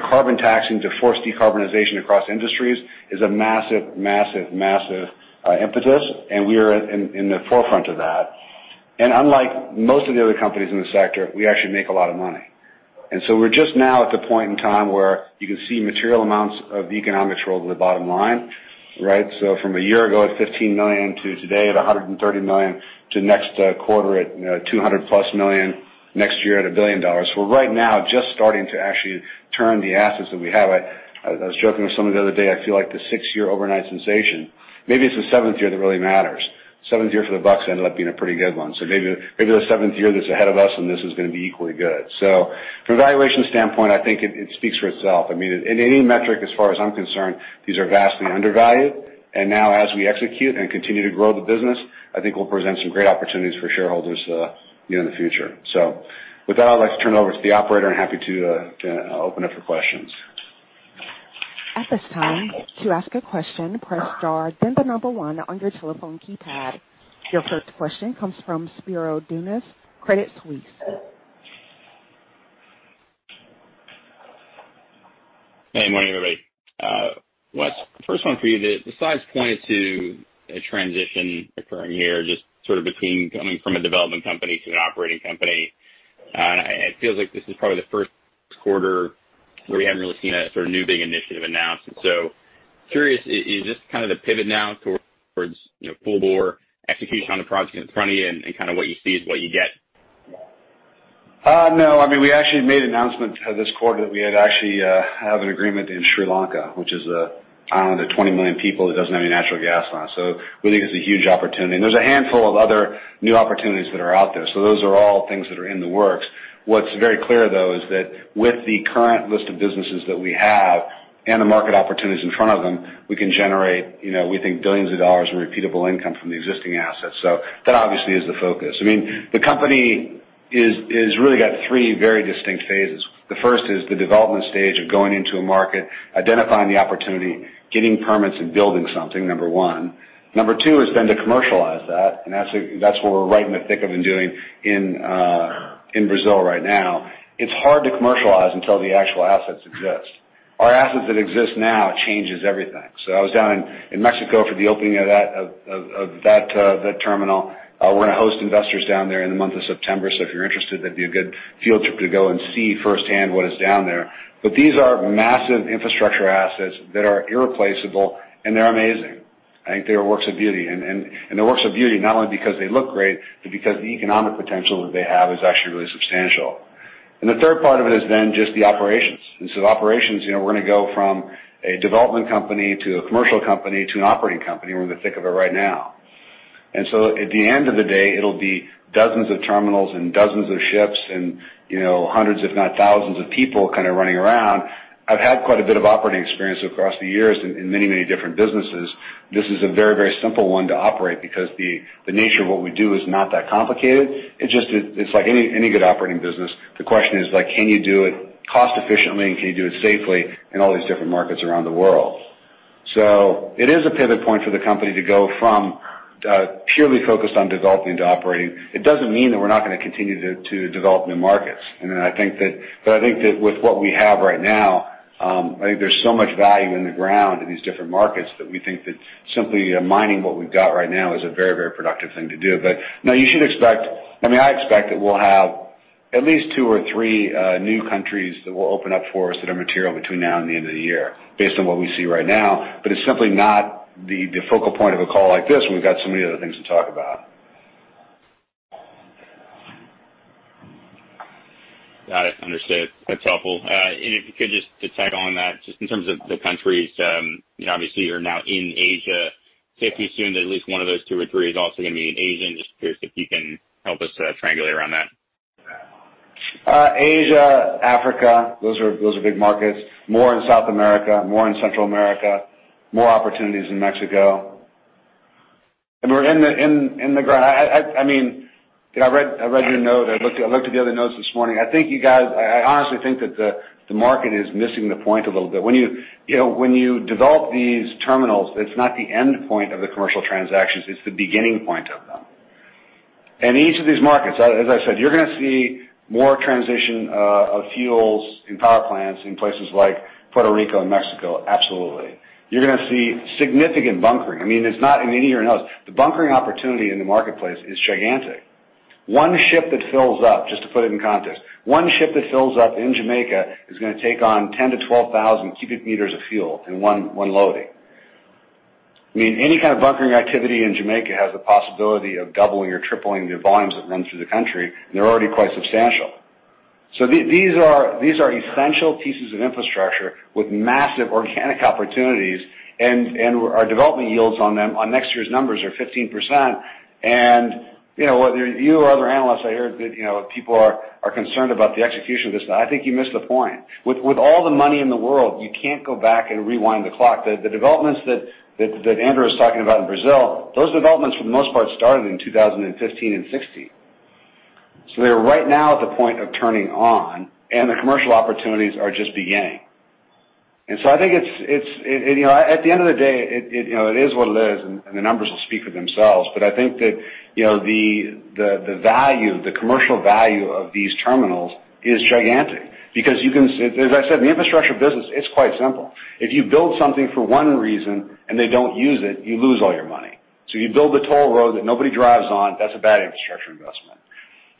carbon taxing to force decarbonization across industries is a massive, massive, massive impetus, and we are in the forefront of that. And unlike most of the other companies in the sector, we actually make a lot of money. And so we're just now at the point in time where you can see material amounts of the economics roll to the bottom line, right? So from a year ago at $15 million to today at $130 million to next quarter at $200 million plus next year at $1 billion. We're right now just starting to actually turn the assets that we have. I was joking with someone the other day. I feel like the six-year overnight sensation. Maybe it's the seventh year that really matters. Seventh year for the bucks ended up being a pretty good one. So maybe the seventh year that's ahead of us and this is going to be equally good. So from a valuation standpoint, I think it speaks for itself. I mean, in any metric, as far as I'm concerned, these are vastly undervalued. And now, as we execute and continue to grow the business, I think we'll present some great opportunities for shareholders in the future. So with that, I'd like to turn it over to the operator and happy to open up for questions. At this time, to ask a question, press star then the number one on your telephone keypad. Your first question comes from Spiro Dounis, Credit Suisse. Hey, good morning everybody. Wes, first one for you. The slides pointed to a transition occurring here just sort of between coming from a development company to an operating company. And it feels like this is probably the first quarter where you haven't really seen a sort of new big initiative announced. And so curious, is this kind of the pivot now towards full bore execution on a project in front of you and kind of what you see is what you get? No. I mean, we actually made announcements this quarter that we had actually an agreement in Sri Lanka, which is an island of 20 million people that doesn't have any natural gas on it. So we think it's a huge opportunity, and there's a handful of other new opportunities that are out there. So those are all things that are in the works. What's very clear, though, is that with the current list of businesses that we have and the market opportunities in front of them, we can generate, we think, billions of dollars in repeatable income from the existing assets, so that obviously is the focus. I mean, the company has really got three very distinct phases. The first is the development stage of going into a market, identifying the opportunity, getting permits, and building something, number one. Number two is then to commercialize that. That's what we're right in the thick of and doing in Brazil right now. It's hard to commercialize until the actual assets exist. Our assets that exist now change everything. I was down in Mexico for the opening of that terminal. We're going to host investors down there in the month of September. If you're interested, that'd be a good field trip to go and see firsthand what is down there. These are massive infrastructure assets that are irreplaceable, and they're amazing. I think they're a works of beauty. They're works of beauty not only because they look great, but because the economic potential that they have is actually really substantial. The third part of it is then just the operations. The operations, we're going to go from a development company to a commercial company to an operating company. We're in the thick of it right now. And so at the end of the day, it'll be dozens of terminals and dozens of ships and hundreds, if not thousands of people kind of running around. I've had quite a bit of operating experience across the years in many, many different businesses. This is a very, very simple one to operate because the nature of what we do is not that complicated. It's just like any good operating business. The question is, can you do it cost-efficiently, and can you do it safely in all these different markets around the world? So it is a pivot point for the company to go from purely focused on developing to operating. It doesn't mean that we're not going to continue to develop new markets. Then I think that with what we have right now, I think there's so much value in the ground in these different markets that we think that simply mining what we've got right now is a very, very productive thing to do. But now you should expect. I mean, I expect that we'll have at least two or three new countries that will open up for us that are material between now and the end of the year based on what we see right now. But it's simply not the focal point of a call like this. We've got so many other things to talk about. Got it. Understood. That's helpful. And if you could just to tack on that, just in terms of the countries, obviously, you're now in Asia. Say, if you assume that at least one of those two or three is also going to be in Asia, and just curious if you can help us triangulate around that. Asia, Africa, those are big markets. More in South America, more in Central America, more opportunities in Mexico, and we're on the ground. I mean, I read your note. I looked at the other notes this morning. I think you guys. I honestly think that the market is missing the point a little bit. When you develop these terminals, it's not the end point of the commercial transactions. It's the beginning point of them. And each of these markets, as I said, you're going to see more transition of fuels in power plants in places like Puerto Rico and Mexico. Absolutely. You're going to see significant bunkering. I mean, it's not in any or another. The bunkering opportunity in the marketplace is gigantic. One ship that fills up, just to put it in context, one ship that fills up in Jamaica is going to take on 10-12 thousand cubic meters of fuel in one loading. I mean, any kind of bunkering activity in Jamaica has the possibility of doubling or tripling the volumes that run through the country, and they're already quite substantial, so these are essential pieces of infrastructure with massive organic opportunities, and our development yields on them on next year's numbers are 15%, and whether you or other analysts, I heard that people are concerned about the execution of this. I think you missed the point. With all the money in the world, you can't go back and rewind the clock. The developments that Andrew was talking about in Brazil, those developments for the most part started in 2015 and 2016. So they're right now at the point of turning on, and the commercial opportunities are just beginning, and so I think it's at the end of the day, it is what it is, and the numbers will speak for themselves, but I think that the value, the commercial value of these terminals is gigantic because you can, as I said, the infrastructure business, it's quite simple. If you build something for one reason and they don't use it, you lose all your money, so you build the toll road that nobody drives on, that's a bad infrastructure investment.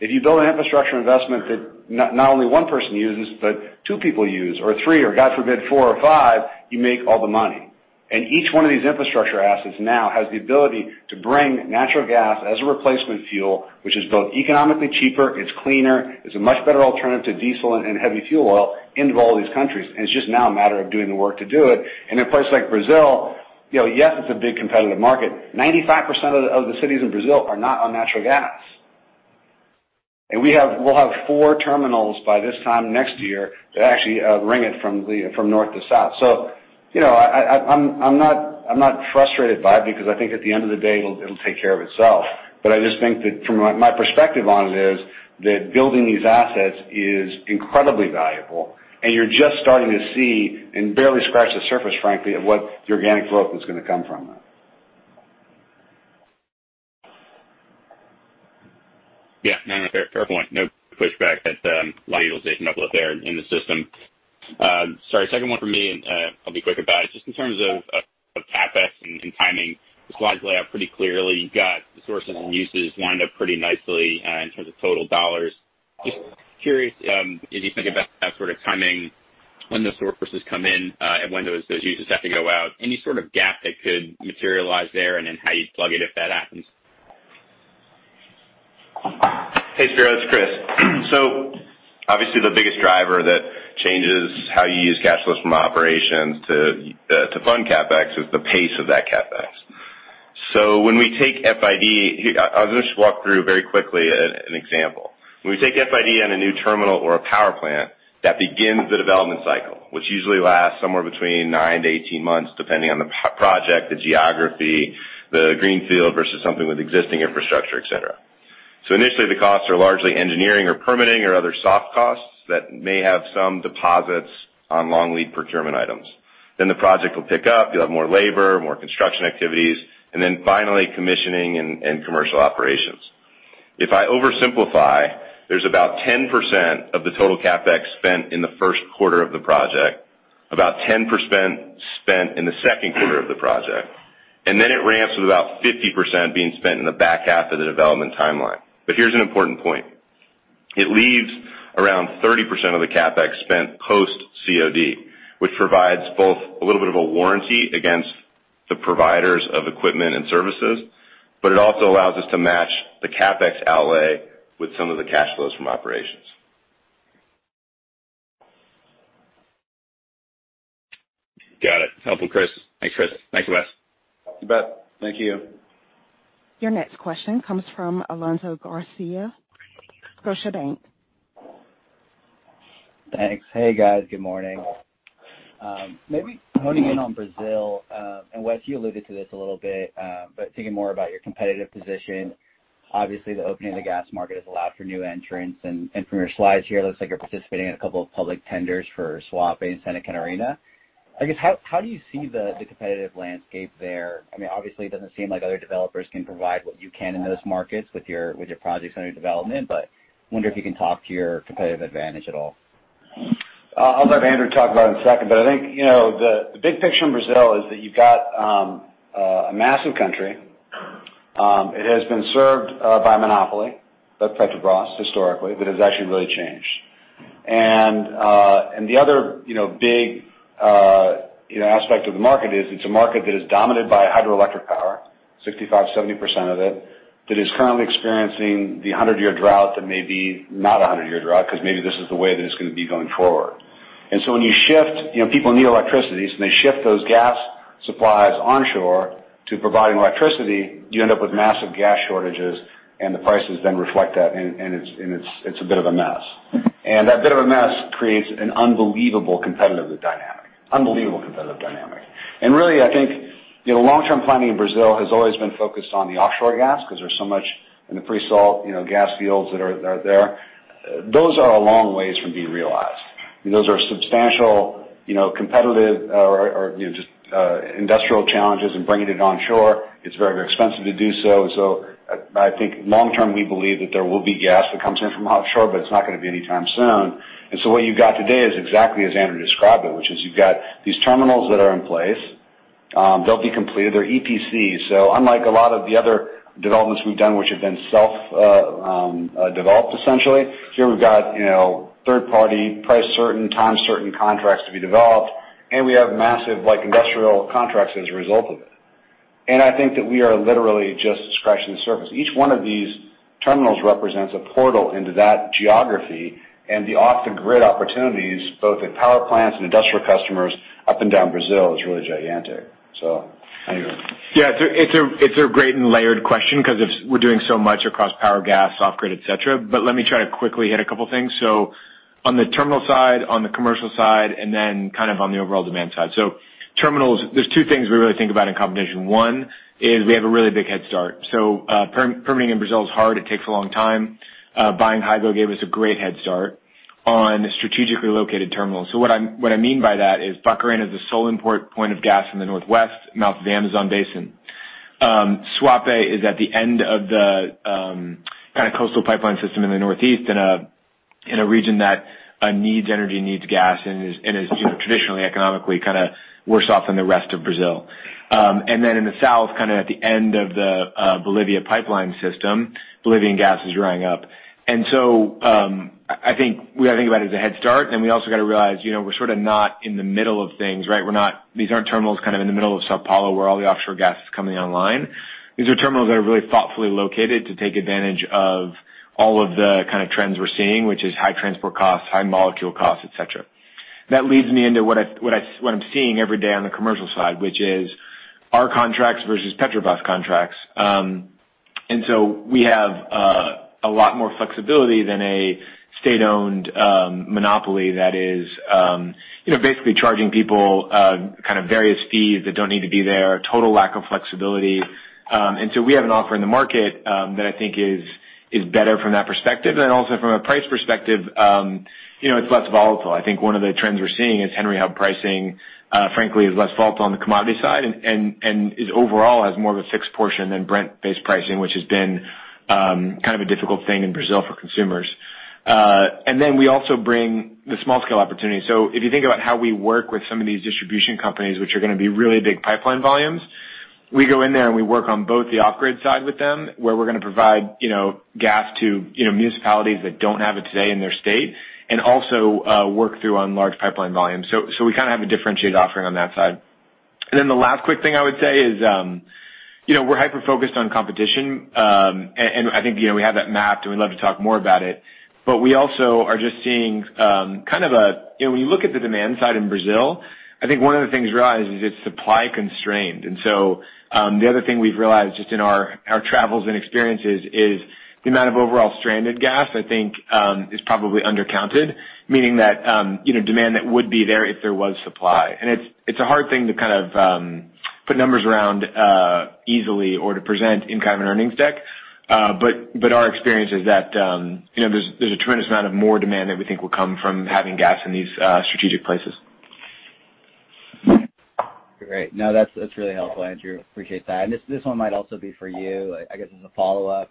If you build an infrastructure investment that not only one person uses, but two people use, or three, or God forbid, four or five, you make all the money. Each one of these infrastructure assets now has the ability to bring natural gas as a replacement fuel, which is both economically cheaper, it's cleaner, it's a much better alternative to diesel and heavy fuel oil into all these countries. It's just now a matter of doing the work to do it. In a place like Brazil, yes, it's a big competitive market. 95% of the cities in Brazil are not on natural gas. We'll have four terminals by this time next year that actually ring it from north to south. I'm not frustrated by it because I think at the end of the day, it'll take care of itself. From my perspective on it, building these assets is incredibly valuable. And you're just starting to see and barely scratch the surface, frankly, of what the organic growth is going to come from. Yeah. No, no, fair point. No pushback. At utilization up there in the system. Sorry, second one for me, and I'll be quick about it. Just in terms of CapEx and timing, the slides lay out pretty clearly. You've got the sources and uses lined up pretty nicely in terms of total dollars. Just curious, as you think about sort of timing when the sources come in and when those uses have to go out, any sort of gap that could materialize there and then how you'd plug it if that happens? Hey, Spiro. It's Chris. So obviously, the biggest driver that changes how you use cash flows from operations to fund CapEx is the pace of that CapEx. So when we take FID, I'll just walk through very quickly an example. When we take FID on a new terminal or a power plant, that begins the development cycle, which usually lasts somewhere between nine to 18 months depending on the project, the geography, the greenfield versus something with existing infrastructure, etc. So initially, the costs are largely engineering or permitting or other soft costs that may have some deposits on long lead procurement items. Then the project will pick up. You'll have more labor, more construction activities, and then finally commissioning and commercial operations. If I oversimplify, there's about 10% of the total CapEx spent in the first quarter of the project, about 10% spent in the second quarter of the project. And then it ramps with about 50% being spent in the back half of the development timeline. But here's an important point. It leaves around 30% of the CapEx spent post-COD, which provides both a little bit of a warranty against the providers of equipment and services, but it also allows us to match the CapEx outlay with some of the cash flows from operations. Got it. Helpful, Chris. Thanks, Chris. Thank you, Wes. You bet. Thank you. Your next question comes from Alonso Garcia Scotiabank. Thanks. Hey, guys. Good morning. Maybe honing in on Brazil. And Wes, you alluded to this a little bit, but thinking more about your competitive position, obviously, the opening of the gas market has allowed for new entrants. And from your slides here, it looks like you're participating in a couple of public tenders for Suape and Santa Catarina. I guess, how do you see the competitive landscape there? I mean, obviously, it doesn't seem like other developers can provide what you can in those markets with your projects under development, but I wonder if you can talk to your competitive advantage at all. I'll let Andrew talk about it in a second, but I think the big picture in Brazil is that you've got a massive country. It has been served by a monopoly, Petrobras, historically, that has actually really changed. And the other big aspect of the market is it's a market that is dominated by hydroelectric power, 65%-70% of it, that is currently experiencing the 100-year drought that may be not a 100-year drought because maybe this is the way that it's going to be going forward. And so when you shift, people need electricity, so they shift those gas supplies onshore to providing electricity. You end up with massive gas shortages, and the prices then reflect that, and it's a bit of a mess. And that bit of a mess creates an unbelievable competitive dynamic. Unbelievable competitive dynamic. And really, I think the long-term planning in Brazil has always been focused on the offshore gas because there's so much in the pre-salt gas fields that are there. Those are a long ways from being realized. Those are substantial competitive or just industrial challenges, and bringing it onshore, it's very, very expensive to do so. And so I think long-term, we believe that there will be gas that comes in from offshore, but it's not going to be anytime soon. And so what you've got today is exactly as Andrew described it, which is you've got these terminals that are in place. They'll be completed. They're EPCs. So unlike a lot of the other developments we've done, which have been self-developed, essentially, here we've got third-party price-certain, time-certain contracts to be developed, and we have massive industrial contracts as a result of it. And I think that we are literally just scratching the surface. Each one of these terminals represents a portal into that geography, and the off-the-grid opportunities, both at power plants and industrial customers up and down Brazil, is really gigantic. So anyway. Yeah. It's a great and layered question because we're doing so much across power, gas, off-grid, etc. But let me try to quickly hit a couple of things. So on the terminal side, on the commercial side, and then kind of on the overall demand side. So terminals, there's two things we really think about in combination. One is we have a really big head start. So permitting in Brazil is hard. It takes a long time. Buying Hygo gave us a great head start on strategically located terminals. So what I mean by that is Barcarena is the sole import point of gas in the northwest, mouth of the Amazon Basin. Suape is at the end of the kind of coastal pipeline system in the northeast in a region that needs energy, needs gas, and is traditionally economically kind of worse off than the rest of Brazil. And then in the south, kind of at the end of the Bolivia pipeline system, Bolivian gas is running out. And so I think we got to think about it as a head start. And then we also got to realize we're sort of not in the middle of things, right? These aren't terminals kind of in the middle of São Paulo where all the offshore gas is coming online. These are terminals that are really thoughtfully located to take advantage of all of the kind of trends we're seeing, which is high transport costs, high molecule costs, etc. That leads me into what I'm seeing every day on the commercial side, which is our contracts versus Petrobras contracts. And so we have a lot more flexibility than a state-owned monopoly that is basically charging people kind of various fees that don't need to be there, total lack of flexibility, and so we have an offer in the market that I think is better from that perspective, and then also from a price perspective, it's less volatile. I think one of the trends we're seeing is Henry Hub pricing, frankly, is less volatile on the commodity side and overall has more of a fixed portion than Brent-based pricing, which has been kind of a difficult thing in Brazil for consumers. And then we also bring the small-scale opportunity. So if you think about how we work with some of these distribution companies, which are going to be really big pipeline volumes, we go in there and we work on both the off-grid side with them, where we're going to provide gas to municipalities that don't have it today in their state, and also work through on large pipeline volumes. So we kind of have a differentiated offering on that side. And then the last quick thing I would say is we're hyper-focused on competition, and I think we have that mapped, and we'd love to talk more about it. But we also are just seeing kind of, when you look at the demand side in Brazil, I think one of the things realized is it's supply constrained. The other thing we've realized just in our travels and experiences is the amount of overall stranded gas, I think, is probably undercounted, meaning that demand that would be there if there was supply. It's a hard thing to kind of put numbers around easily or to present in kind of an earnings deck. Our experience is that there's a tremendous amount of more demand that we think will come from having gas in these strategic places. Great. No, that's really helpful, Andrew. Appreciate that. This one might also be for you, I guess, as a follow-up.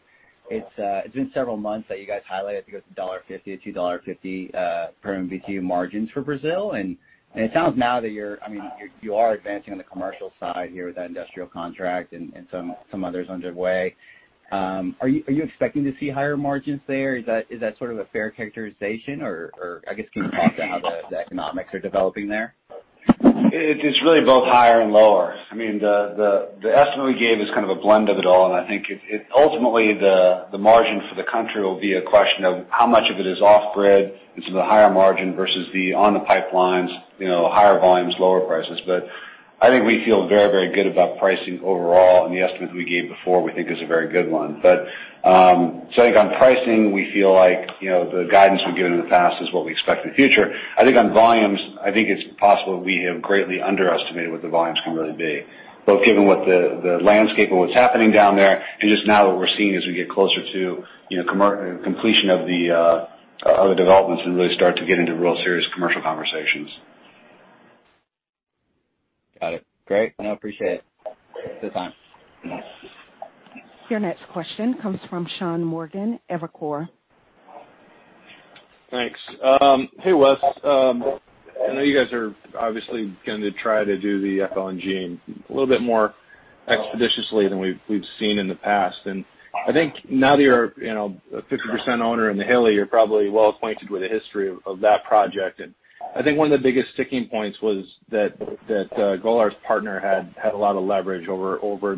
It's been several months that you guys highlighted to go to $1.50-$2.50 per MMBtu margins for Brazil. It sounds now that you're, I mean, you are advancing on the commercial side here with that industrial contract and some others underway. Are you expecting to see higher margins there? Is that sort of a fair characterization? Or I guess, can you talk about how the economics are developing there? It's really both higher and lower. I mean, the estimate we gave is kind of a blend of it all. And I think ultimately, the margin for the country will be a question of how much of it is off-grid and some of the higher margin versus the on the pipelines, higher volumes, lower prices. But I think we feel very, very good about pricing overall, and the estimate that we gave before, we think is a very good one. But so I think on pricing, we feel like the guidance we've given in the past is what we expect in the future. I think on volumes, I think it's possible we have greatly underestimated what the volumes can really be, both given what the landscape of what's happening down there and just now what we're seeing as we get closer to completion of the developments and really start to get into real serious commercial conversations. Got it. Great. I appreciate it. Good time. Your next question comes from Sean Morgan, Evercore. Thanks. Hey, Wes. I know you guys are obviously going to try to do the FLNG a little bit more expeditiously than we've seen in the past. And I think now that you're a 50% owner in the Hilli, you're probably well acquainted with the history of that project. And I think one of the biggest sticking points was that Golar's partner had a lot of leverage over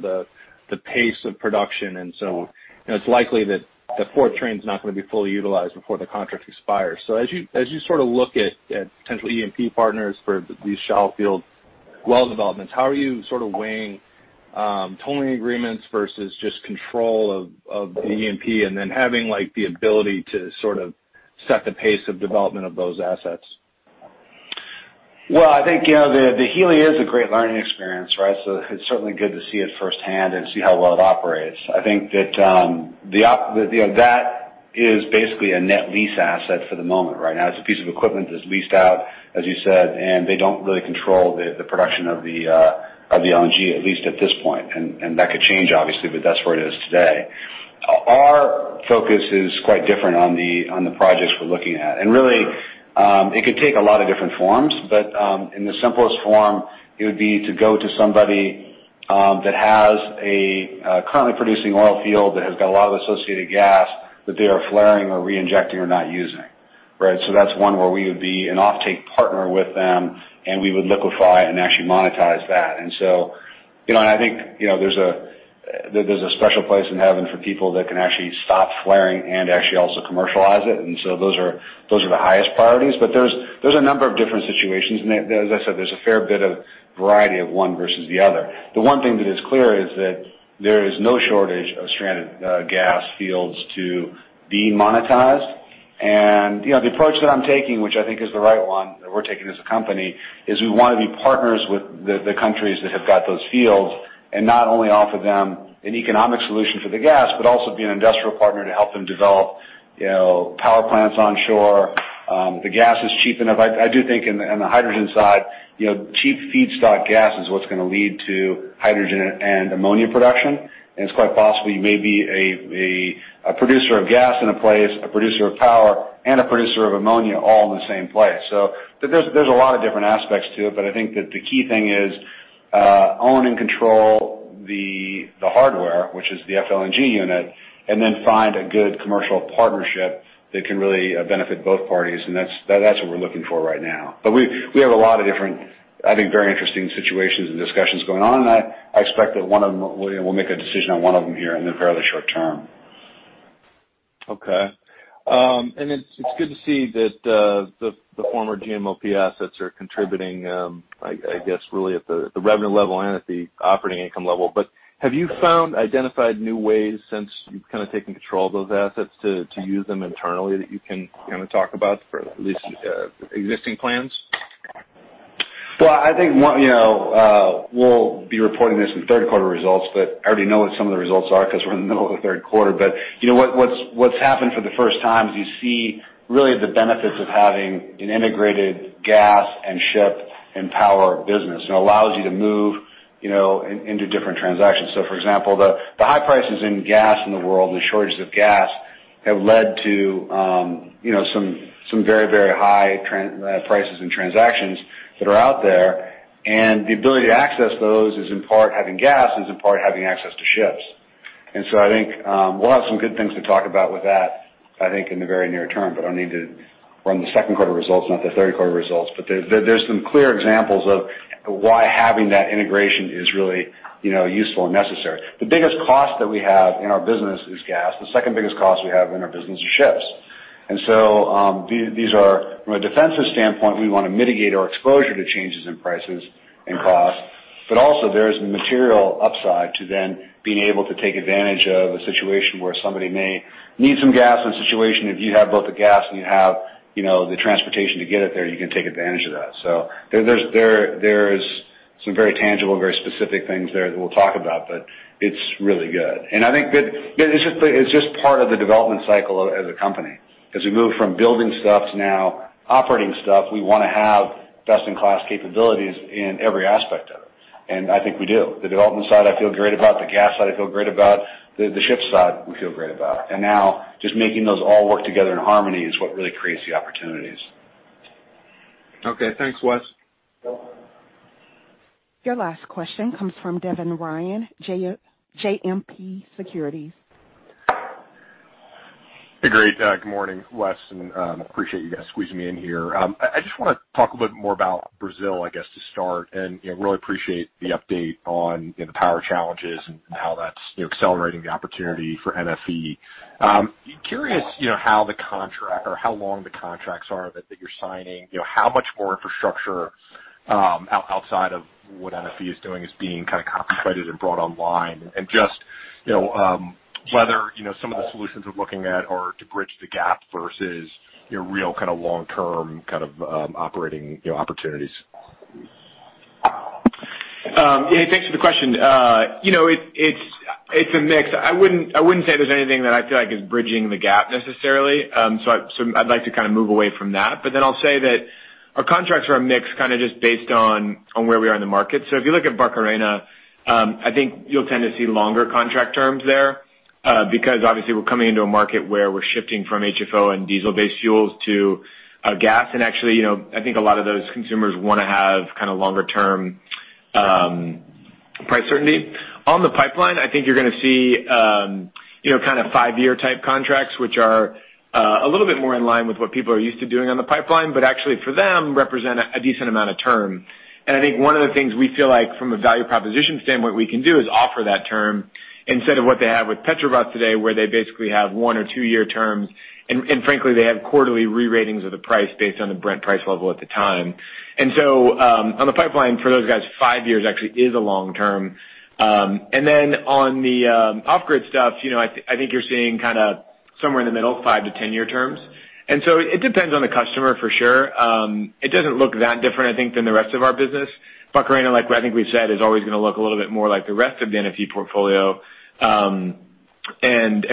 the pace of production. And so it's likely that the fourth train is not going to be fully utilized before the contract expires. So as you sort of look at potential E&P partners for these shallow field well developments, how are you sort of weighing tolling agreements versus just control of the E&P and then having the ability to sort of set the pace of development of those assets? Well, I think the Hilli is a great learning experience, right? So it's certainly good to see it firsthand and see how well it operates. I think that that is basically a net lease asset for the moment, right? Now, it's a piece of equipment that's leased out, as you said, and they don't really control the production of the LNG, at least at this point. And that could change, obviously, but that's where it is today. Our focus is quite different on the projects we're looking at. And really, it could take a lot of different forms, but in the simplest form, it would be to go to somebody that has a currently producing oil field that has got a lot of associated gas that they are flaring or reinjecting or not using, right? So that's one where we would be an offtake partner with them, and we would liquefy and actually monetize that. And so I think there's a special place in heaven for people that can actually stop flaring and actually also commercialize it. And so those are the highest priorities. But there's a number of different situations. And as I said, there's a fair bit of variety of one versus the other. The one thing that is clear is that there is no shortage of stranded gas fields to be monetized. The approach that I'm taking, which I think is the right one that we're taking as a company, is we want to be partners with the countries that have got those fields and not only offer them an economic solution for the gas, but also be an industrial partner to help them develop power plants onshore. The gas is cheap enough. I do think on the hydrogen side, cheap feedstock gas is what's going to lead to hydrogen and ammonia production. It's quite possible you may be a producer of gas in a place, a producer of power, and a producer of ammonia all in the same place. There's a lot of different aspects to it, but I think that the key thing is own and control the hardware, which is the FLNG unit, and then find a good commercial partnership that can really benefit both parties. That's what we're looking for right now. But we have a lot of different, I think, very interesting situations and discussions going on. I expect that one of them we'll make a decision on one of them here in the fairly short term. Okay. It's good to see that the former GMLP assets are contributing, I guess, really at the revenue level and at the operating income level. Have you found, identified new ways since you've kind of taken control of those assets to use them internally that you can kind of talk about for at least existing plans? I think we'll be reporting this in third quarter results, but I already know what some of the results are because we're in the middle of the third quarter. But what's happened for the first time is you see really the benefits of having an integrated gas and shipping and power business. It allows you to move into different transactions. So for example, the high prices of gas in the world, the shortages of gas have led to some very, very high prices and transactions that are out there. And the ability to access those is in part having gas, is in part having access to ships. And so I think we'll have some good things to talk about with that, I think, in the very near term. But I don't need to run the second-quarter results, not the third-quarter results. But there's some clear examples of why having that integration is really useful and necessary. The biggest cost that we have in our business is gas. The second biggest cost we have in our business is ships. And so these are from a defensive standpoint. We want to mitigate our exposure to changes in prices and costs. But also, there's material upside to then being able to take advantage of a situation where somebody may need some gas in a situation if you have both the gas and you have the transportation to get it there. You can take advantage of that. So there's some very tangible, very specific things there that we'll talk about, but it's really good. And I think it's just part of the development cycle as a company. As we move from building stuff to now operating stuff, we want to have best-in-class capabilities in every aspect of it. And I think we do. The development side, I feel great about. The gas side, I feel great about. The ship side, we feel great about. And now just making those all work together in harmony is what really creates the opportunities. Okay. Thanks, Wes. Your last question comes from Devin Ryan, JMP Securities. Hey, great. Good morning, Wes. And appreciate you guys squeezing me in here. I just want to talk a little bit more about Brazil, I guess, to start. And really appreciate the update on the power challenges and how that's accelerating the opportunity for NFE. Curious how the contract or how long the contracts are that you're signing, how much more infrastructure outside of what NFE is doing is being kind of constructed and brought online, and just whether some of the solutions we're looking at are to bridge the gap versus real kind of long-term kind of operating opportunities. Yeah. Thanks for the question. It's a mix. I wouldn't say there's anything that I feel like is bridging the gap necessarily. So I'd like to kind of move away from that. But then I'll say that our contracts are a mix kind of just based on where we are in the market. So if you look at Barcarena, I think you'll tend to see longer contract terms there because, obviously, we're coming into a market where we're shifting from HFO and diesel-based fuels to gas. And actually, I think a lot of those consumers want to have kind of longer-term price certainty. On the pipeline, I think you're going to see kind of five-year type contracts, which are a little bit more in line with what people are used to doing on the pipeline, but actually for them represent a decent amount of term. I think one of the things we feel like from a value proposition standpoint we can do is offer that term instead of what they have with Petrobras today, where they basically have one- or two-year terms. Frankly, they have quarterly re-ratings of the price based on the Brent price level at the time. So on the pipeline for those guys, five years actually is a long term. Then on the off-grid stuff, I think you're seeing kind of somewhere in the middle, five- to 10-year terms. So it depends on the customer for sure. It doesn't look that different, I think, than the rest of our business. Barcarena, like I think we've said, is always going to look a little bit more like the rest of the NFE portfolio. I think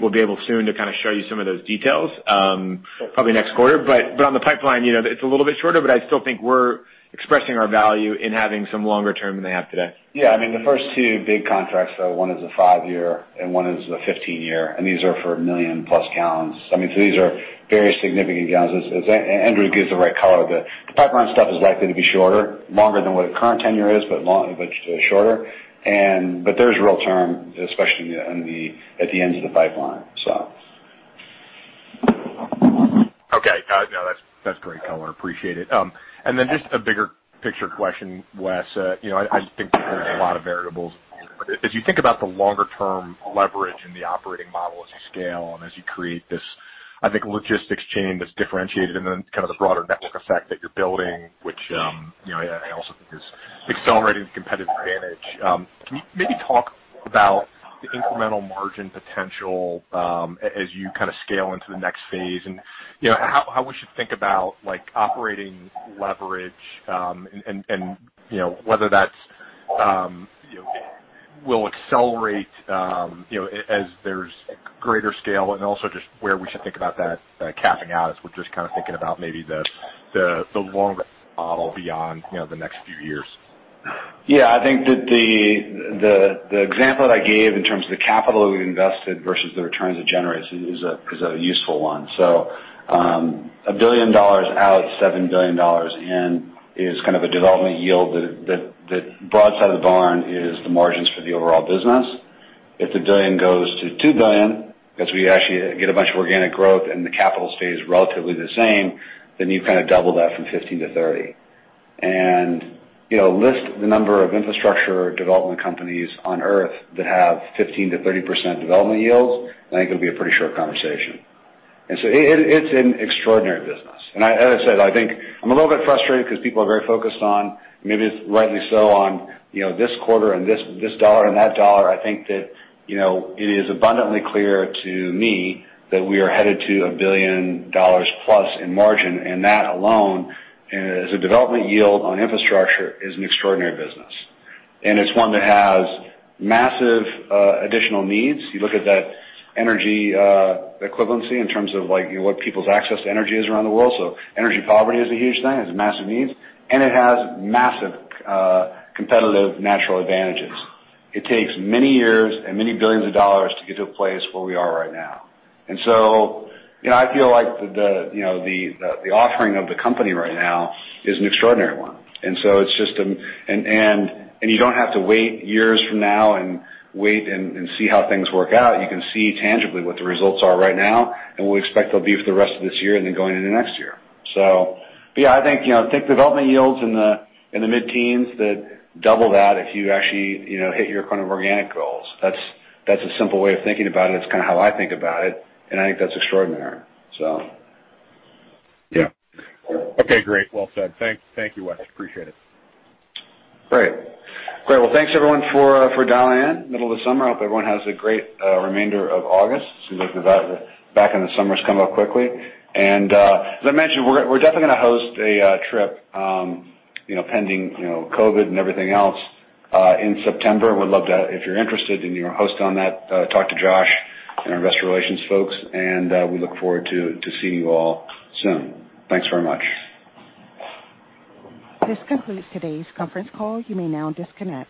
we'll be able soon to kind of show you some of those details, probably next quarter. On the pipeline, it's a little bit shorter, but I still think we're expressing our value in having some longer term than they have today. Yeah. I mean, the first two big contracts, though, one is a five-year and one is a 15-year. These are for a million-plus gallons. I mean, so these are very significant gallons. Andrew gives the right color. The pipeline stuff is likely to be shorter, longer than what the current tenure is, but shorter. There's real term, especially at the end of the pipeline, so. Okay. No, that's great color. Appreciate it. Then just a bigger picture question, Wes. I think there's a lot of variables. As you think about the longer-term leverage in the operating model as you scale and as you create this, I think, logistics chain that's differentiated in kind of the broader network effect that you're building, which I also think is accelerating the competitive advantage. Can you maybe talk about the incremental margin potential as you kind of scale into the next phase and how we should think about operating leverage and whether that will accelerate as there's greater scale and also just where we should think about that capping out as we're just kind of thinking about maybe the longer model beyond the next few years? Yeah. I think that the example that I gave in terms of the capital we've invested versus the returns it generates is a useful one. A $1 billion out, $7 billion in is kind of a development yield. That broadside of the barn is the margins for the overall business. If the $1 billion goes to $2 billion, as we actually get a bunch of organic growth and the capital stays relatively the same, then you kind of double that from 15% to 30%. List the number of infrastructure development companies on earth that have 15%-30% development yields. I think it'll be a pretty short conversation. It's an extraordinary business. As I said, I think I'm a little bit frustrated because people are very focused on, maybe it's rightly so, on this quarter and this dollar and that dollar. I think that it is abundantly clear to me that we are headed to a $1 billion plus in margin. And that alone, as a development yield on infrastructure, is an extraordinary business. And it's one that has massive additional needs. You look at that energy equivalency in terms of what people's access to energy is around the world. So energy poverty is a huge thing. It's massive needs. And it has massive competitive natural advantages. It takes many years and many billions of dollars to get to a place where we are right now. And so I feel like the offering of the company right now is an extraordinary one. And so it's just and you don't have to wait years from now and wait and see how things work out. You can see tangibly what the results are right now, and we expect they'll be for the rest of this year and then going into next year. So yeah, I think development yields in the mid-teens that double that if you actually hit your kind of organic goals. That's a simple way of thinking about it. It's kind of how I think about it. And I think that's extraordinary, so. Yeah. Okay. Great. Well said. Thank you, Wes. Appreciate it. Great. Great. Well, thanks everyone for dialing in. Middle of the summer. I hope everyone has a great remainder of August. It seems like the back end of summer has come up quickly. And as I mentioned, we're definitely going to host a trip pending COVID and everything else in September. We'd love to, if you're interested in hosting on that, talk to Josh and our investor relations folks. And we look forward to seeing you all soon. Thanks very much. This concludes today's conference call. You may now disconnect.